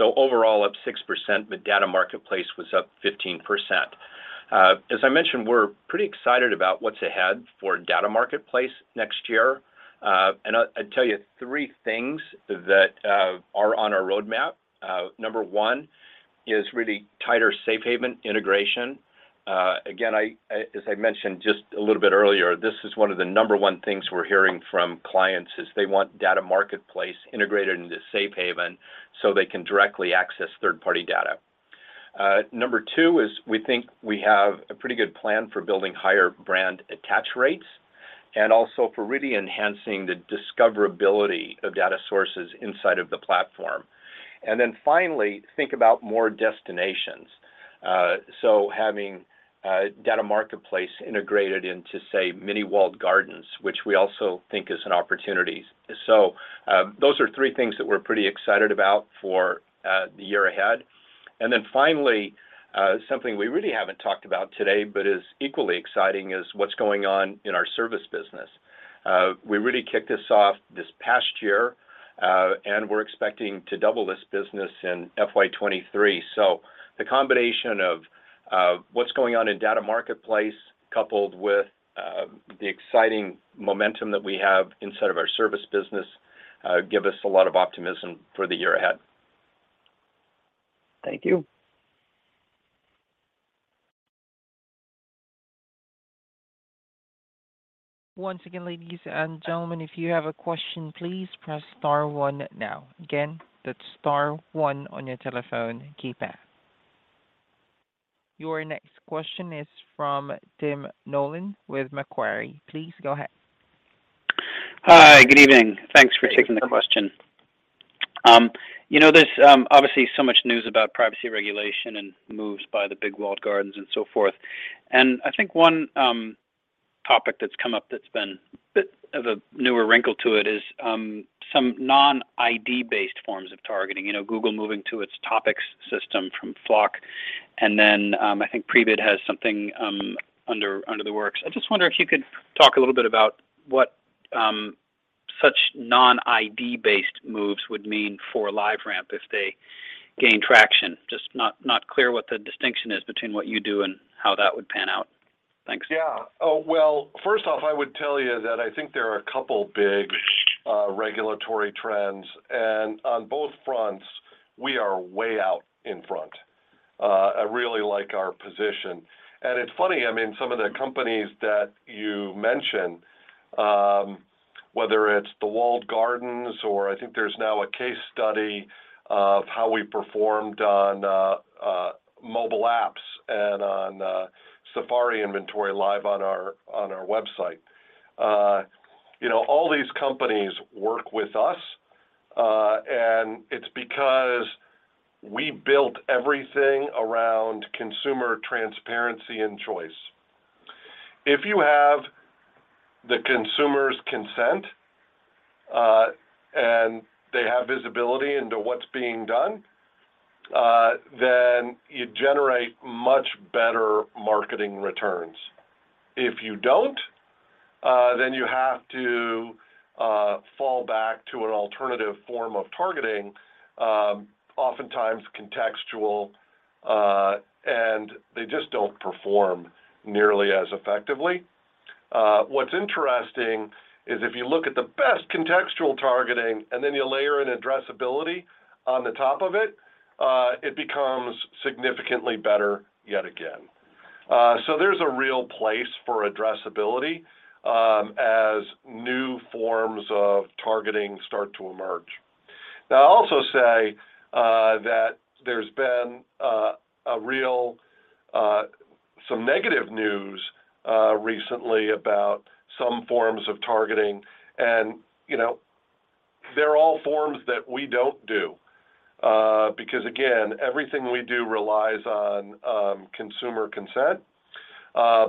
Overall up 6%, but Data Marketplace was up 15%. As I mentioned, we're pretty excited about what's ahead for Data Marketplace next year. I'd tell you three things that are on our roadmap. Number one is really tighter Safe Haven integration. Again, as I mentioned just a little bit earlier, this is one of the number one things we're hearing from clients is they want Data Marketplace integrated into Safe Haven so they can directly access third-party data. Number two is we think we have a pretty good plan for building higher brand attach rates and also for really enhancing the discoverability of data sources inside of the platform. Finally, think about more destinations. Having a data marketplace integrated into, say, mini walled gardens, which we also think is an opportunity. Those are three things that we're pretty excited about for the year ahead. Something we really haven't talked about today, but is equally exciting is what's going on in our service business. We really kicked this off this past year, and we're expecting to double this business in FY 2023. The combination of what's going on in Data Marketplace coupled with the exciting momentum that we have inside of our service business give us a lot of optimism for the year ahead. Thank you. Once again, ladies and gentlemen, if you have a question, please press star one now. Again, that's star one on your telephone keypad. Your next question is from Tim Nollen with Macquarie. Please go ahead. Hi. Good evening. Thanks for taking the question. You know, there's obviously so much news about privacy regulation and moves by the big walled gardens and so forth. I think one topic that's come up that's been a bit of a newer wrinkle to it is some non-ID based forms of targeting. You know, Google moving to its topics system from FLoC, and then I think Prebid has something under the works. I just wonder if you could talk a little bit about what such non-ID based moves would mean for LiveRamp if they gain traction. Just not clear what the distinction is between what you do and how that would pan out. Thanks. Yeah. Well, first off, I would tell you that I think there are a couple big regulatory trends, and on both fronts we are way out in front. I really like our position. It's funny, I mean, some of the companies that you mentioned, whether it's the walled gardens or I think there's now a case study of how we performed on mobile apps and on Safari inventory live on our website. You know, all these companies work with us, and it's because we built everything around consumer transparency and choice. If you have the consumer's consent, and they have visibility into what's being done, then you generate much better marketing returns. If you don't, then you have to fall back to an alternative form of targeting, oftentimes contextual, and they just don't perform nearly as effectively. What's interesting is if you look at the best contextual targeting and then you layer in addressability on the top of it becomes significantly better yet again. So there's a real place for addressability, as new forms of targeting start to emerge. Now I'll also say that there's been a real some negative news recently about some forms of targeting. You know, they're all forms that we don't do, because again, everything we do relies on consumer consent.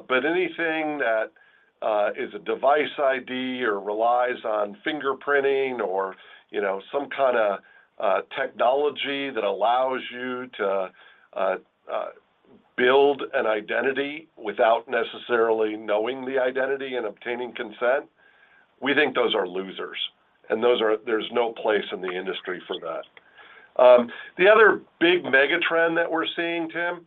Anything that is a device ID or relies on fingerprinting or, you know, some kinda technology that allows you to build an identity without necessarily knowing the identity and obtaining consent, we think those are losers, and those are. There's no place in the industry for that. The other big mega trend that we're seeing, Tim,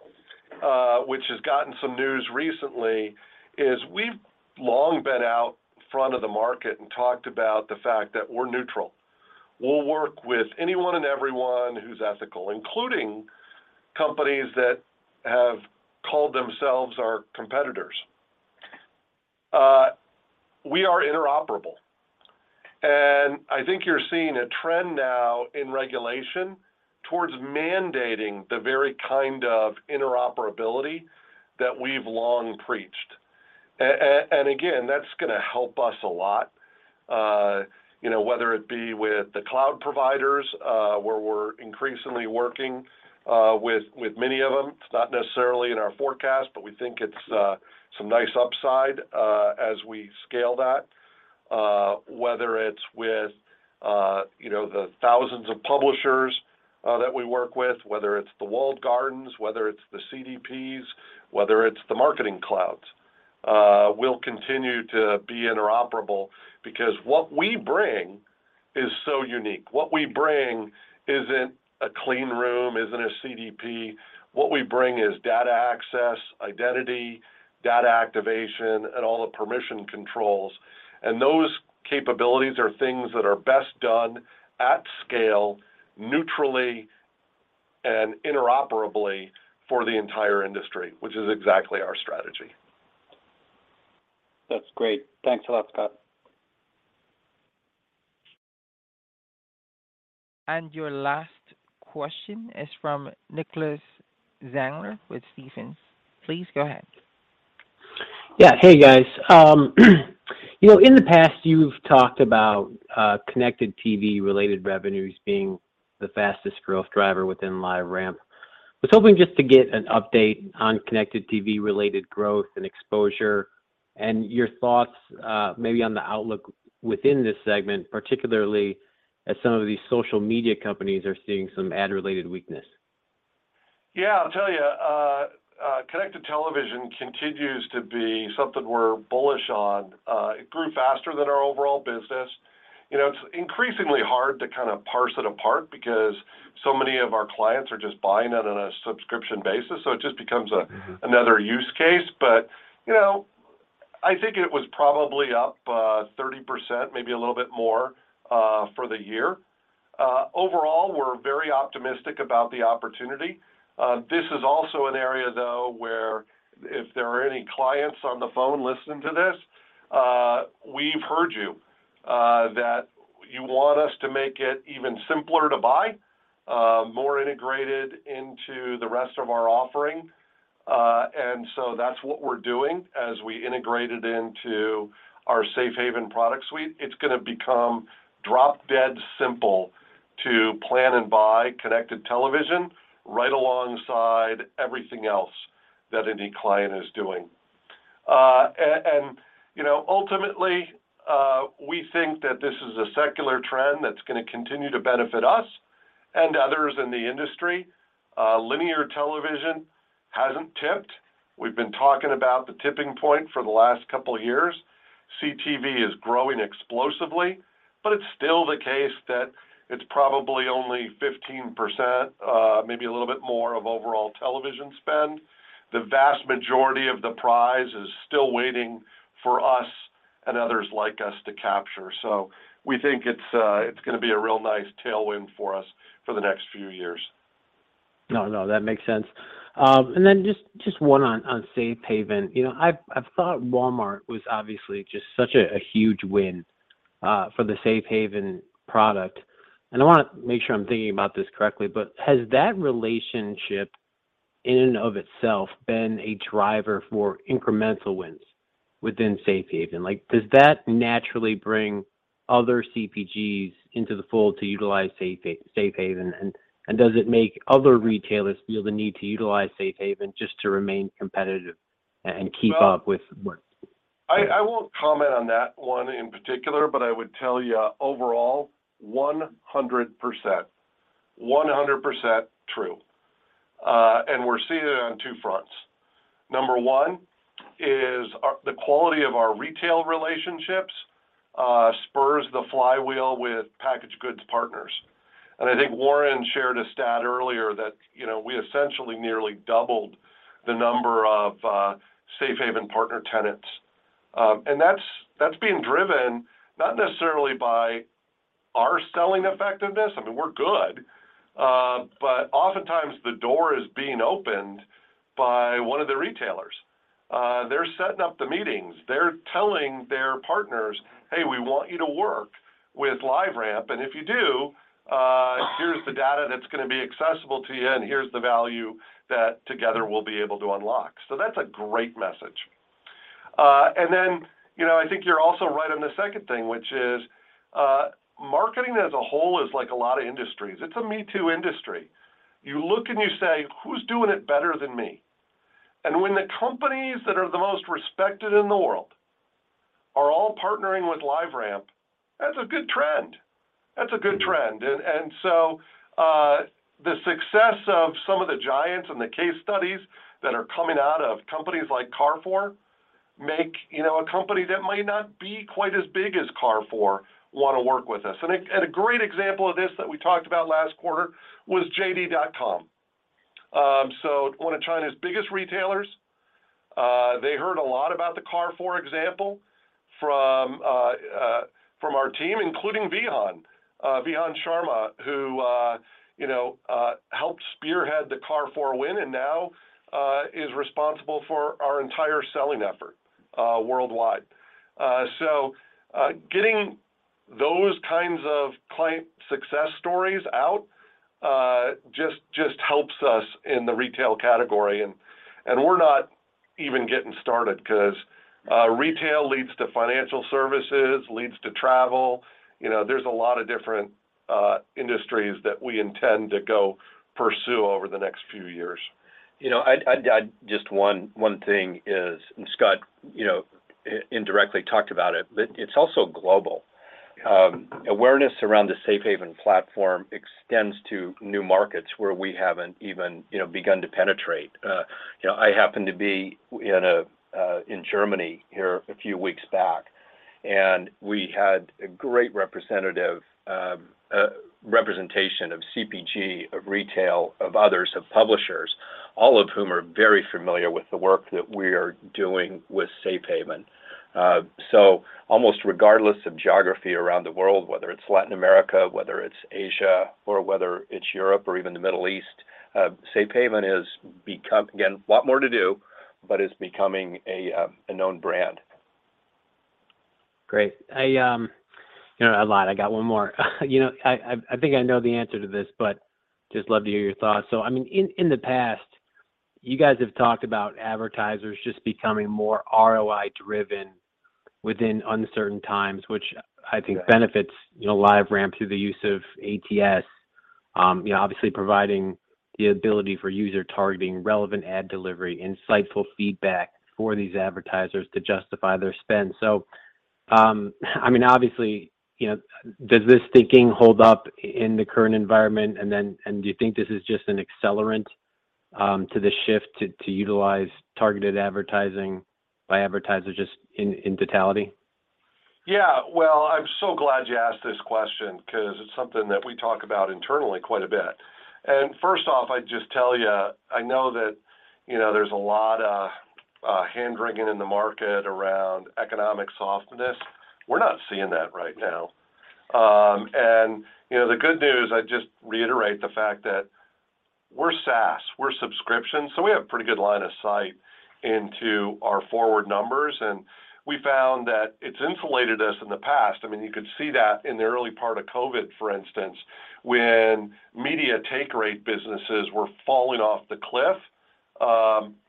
which has gotten some news recently, is we've long been out front of the market and talked about the fact that we're neutral. We'll work with anyone and everyone who's ethical, including companies that have called themselves our competitors. We are interoperable, and I think you're seeing a trend now in regulation towards mandating the very kind of interoperability that we've long preached. And again, that's gonna help us a lot, you know, whether it be with the cloud providers, where we're increasingly working with many of them. It's not necessarily in our forecast, but we think it's some nice upside as we scale that. Whether it's with you know, the thousands of publishers that we work with, whether it's the walled gardens, whether it's the CDPs, whether it's the marketing clouds, we'll continue to be interoperable because what we bring is so unique. What we bring isn't a clean room, isn't a CDP. What we bring is data access, identity, data activation, and all the permission controls. Those capabilities are things that are best done at scale, neutrally and interoperably for the entire industry, which is exactly our strategy. That's great. Thanks a lot, Scott. Your last question is from Nicholas Zangler with Stephens. Please go ahead. Yeah. Hey, guys. You know, in the past you've talked about connected TV related revenues being the fastest growth driver within LiveRamp. Was hoping just to get an update on connected TV related growth and exposure and your thoughts, maybe on the outlook within this segment, particularly as some of these social media companies are seeing some ad related weakness? Yeah, I'll tell you, connected television continues to be something we're bullish on. It grew faster than our overall business. You know, it's increasingly hard to kind of parse it apart because so many of our clients are just buying it on a subscription basis, so it just becomes another use case. You know, I think it was probably up 30%, maybe a little bit more, for the year. Overall, we're very optimistic about the opportunity. This is also an area though where if there are any clients on the phone listening to this, we've heard you, that you want us to make it even simpler to buy, more integrated into the rest of our offering, and so that's what we're doing as we integrate it into our Safe Haven product suite. It's gonna become drop-dead simple to plan and buy connected television right alongside everything else that any client is doing. And, you know, ultimately, we think that this is a secular trend that's gonna continue to benefit us and others in the industry. Linear television hasn't tipped. We've been talking about the tipping point for the last couple of years. CTV is growing explosively, but it's still the case that it's probably only 15%, maybe a little bit more of overall television spend. The vast majority of the prize is still waiting for us and others like us to capture. We think it's gonna be a real nice tailwind for us for the next few years. No, no, that makes sense. Just one on Safe Haven. I've thought Walmart was obviously just such a huge win for the Safe Haven product. I wanna make sure I'm thinking about this correctly, but has that relationship in and of itself been a driver for incremental wins within Safe Haven? Like, does that naturally bring other CPGs into the fold to utilize Safe Haven? Does it make other retailers feel the need to utilize Safe Haven just to remain competitive and keep up with what I won't comment on that one in particular, but I would tell you overall, 100% true. We're seeing it on two fronts. Number one is our quality of our retail relationships spurs the flywheel with packaged goods partners. I think Warren shared a stat earlier that, you know, we essentially nearly doubled the number of Safe Haven partner tenants. That's being driven not necessarily by our selling effectiveness. I mean, we're good, but oftentimes the door is being opened by one of the retailers. They're setting up the meetings. They're telling their partners, "Hey, we want you to work with LiveRamp, and if you do, here's the data that's gonna be accessible to you, and here's the value that together we'll be able to unlock." That's a great message. You know, I think you're also right on the second thing, which is, marketing as a whole is like a lot of industries. It's a me-too industry. You look and you say, "Who's doing it better than me?" And when the companies that are the most respected in the world are all partnering with LiveRamp, that's a good trend. That's a good trend. And so, the success of some of the giants and the case studies that are coming out of companies like Carrefour make, you know, a company that might not be quite as big as Carrefour wanna work with us. And a great example of this that we talked about last quarter was JD.com. One of China's biggest retailers, they heard a lot about the Carrefour example from our team, including Vihan Sharma, who you know helped spearhead the Carrefour win and now is responsible for our entire selling effort worldwide. Getting those kinds of client success stories out just helps us in the retail category. We're not even getting started 'cause retail leads to financial services, leads to travel. You know, there's a lot of different industries that we intend to go pursue over the next few years. You know, just one thing is, and Scott, you know, indirectly talked about it, but it's also global. Awareness around the Safe Haven platform extends to new markets where we haven't even, you know, begun to penetrate. You know, I happened to be in Germany here a few weeks back, and we had a great representation of CPG, of retail, of others, of publishers, all of whom are very familiar with the work that we are doing with Safe Haven. Almost regardless of geography around the world, whether it's Latin America, whether it's Asia, or whether it's Europe or even the Middle East, Safe Haven has become, again, a lot more to do, but is becoming a known brand. Great. You know, I lied. I got one more. You know, I think I know the answer to this, but just love to hear your thoughts. I mean, in the past, you guys have talked about advertisers just becoming more ROI-driven within uncertain times, which I think benefits, you know, LiveRamp through the use of ATS, obviously providing the ability for user targeting, relevant ad delivery, insightful feedback for these advertisers to justify their spend. I mean, obviously, you know, does this thinking hold up in the current environment? Do you think this is just an accelerant to the shift to utilize targeted advertising by advertisers just in totality? Yeah. Well, I'm so glad you asked this question 'cause it's something that we talk about internally quite a bit. First off, I'd just tell you, I know that, you know, there's a lot of hand-wringing in the market around economic softness. We're not seeing that right now. You know, the good news, I'd just reiterate the fact that we're SaaS, we're subscription, so we have pretty good line of sight into our forward numbers, and we found that it's insulated us in the past. I mean, you could see that in the early part of COVID, for instance, when media take rate businesses were falling off the cliff.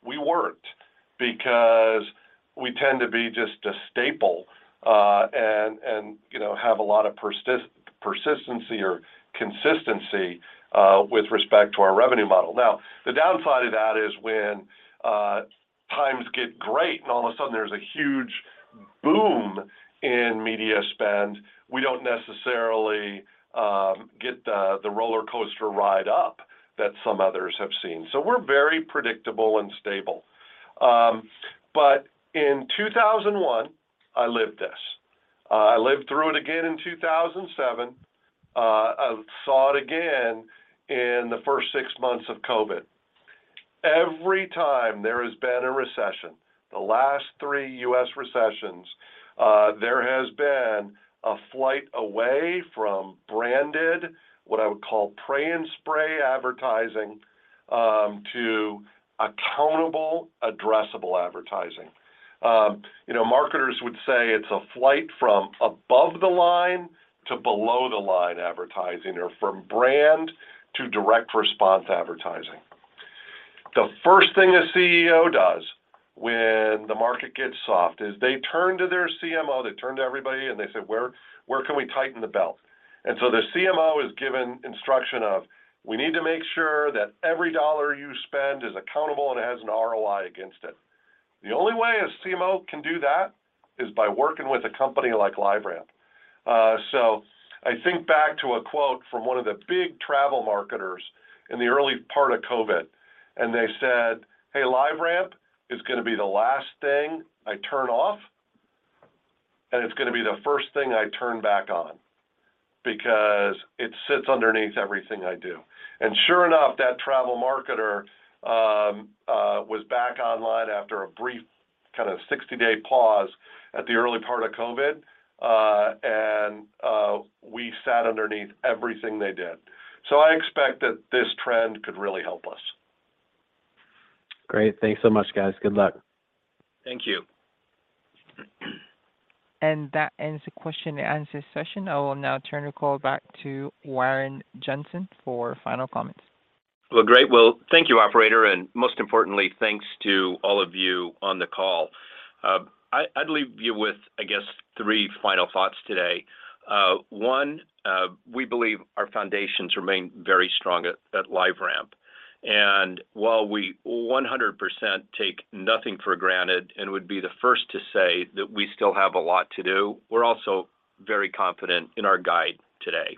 We weren't because we tend to be just a staple, and you know, have a lot of persistence or consistency with respect to our revenue model. Now, the downside of that is when times get great and all of a sudden there's a huge boom in media spend, we don't necessarily get the roller coaster ride up that some others have seen. We're very predictable and stable. In 2001, I lived this. I lived through it again in 2007. I saw it again in the first six months of COVID. Every time there has been a recession, the last three U.S. recessions, there has been a flight away from branded, what I would call pray and spray advertising, to accountable, addressable advertising. You know, marketers would say it's a flight from above the line to below the line advertising or from brand to direct response advertising. The first thing a CEO does when the market gets soft is they turn to their CMO, they turn to everybody, and they say, "Where can we tighten the belt?" The CMO is given instruction of, we need to make sure that every dollar you spend is accountable, and it has an ROI against it. The only way a CMO can do that is by working with a company like LiveRamp. I think back to a quote from one of the big travel marketers in the early part of COVID, and they said, "Hey, LiveRamp is gonna be the last thing I turn off, and it's gonna be the first thing I turn back on because it sits underneath everything I do." Sure enough, that travel marketer was back online after a brief kind of 60-day pause at the early part of COVID, and we sat underneath everything they did. I expect that this trend could really help us. Great. Thanks so much, guys. Good luck. Thank you. That ends the question and answer session. I will now turn the call back to Warren Jenson for final comments. Well, great. Well, thank you, operator, and most importantly, thanks to all of you on the call. I'd leave you with, I guess, three final thoughts today. One, we believe our foundations remain very strong at LiveRamp. While we 100% take nothing for granted and would be the first to say that we still have a lot to do, we're also very confident in our guide today.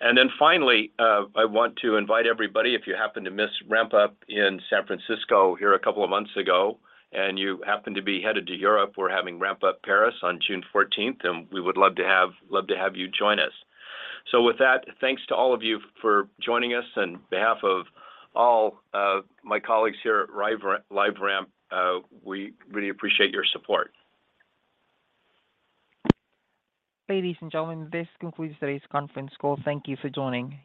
Then finally, I want to invite everybody, if you happen to miss RampUp in San Francisco here a couple of months ago, and you happen to be headed to Europe, we're having RampUp Paris on June fourteenth, and we would love to have you join us. With that, thanks to all of you for joining us. On behalf of all my colleagues here at LiveRamp, we really appreciate your support. Ladies and gentlemen, this concludes today's conference call. Thank you for joining.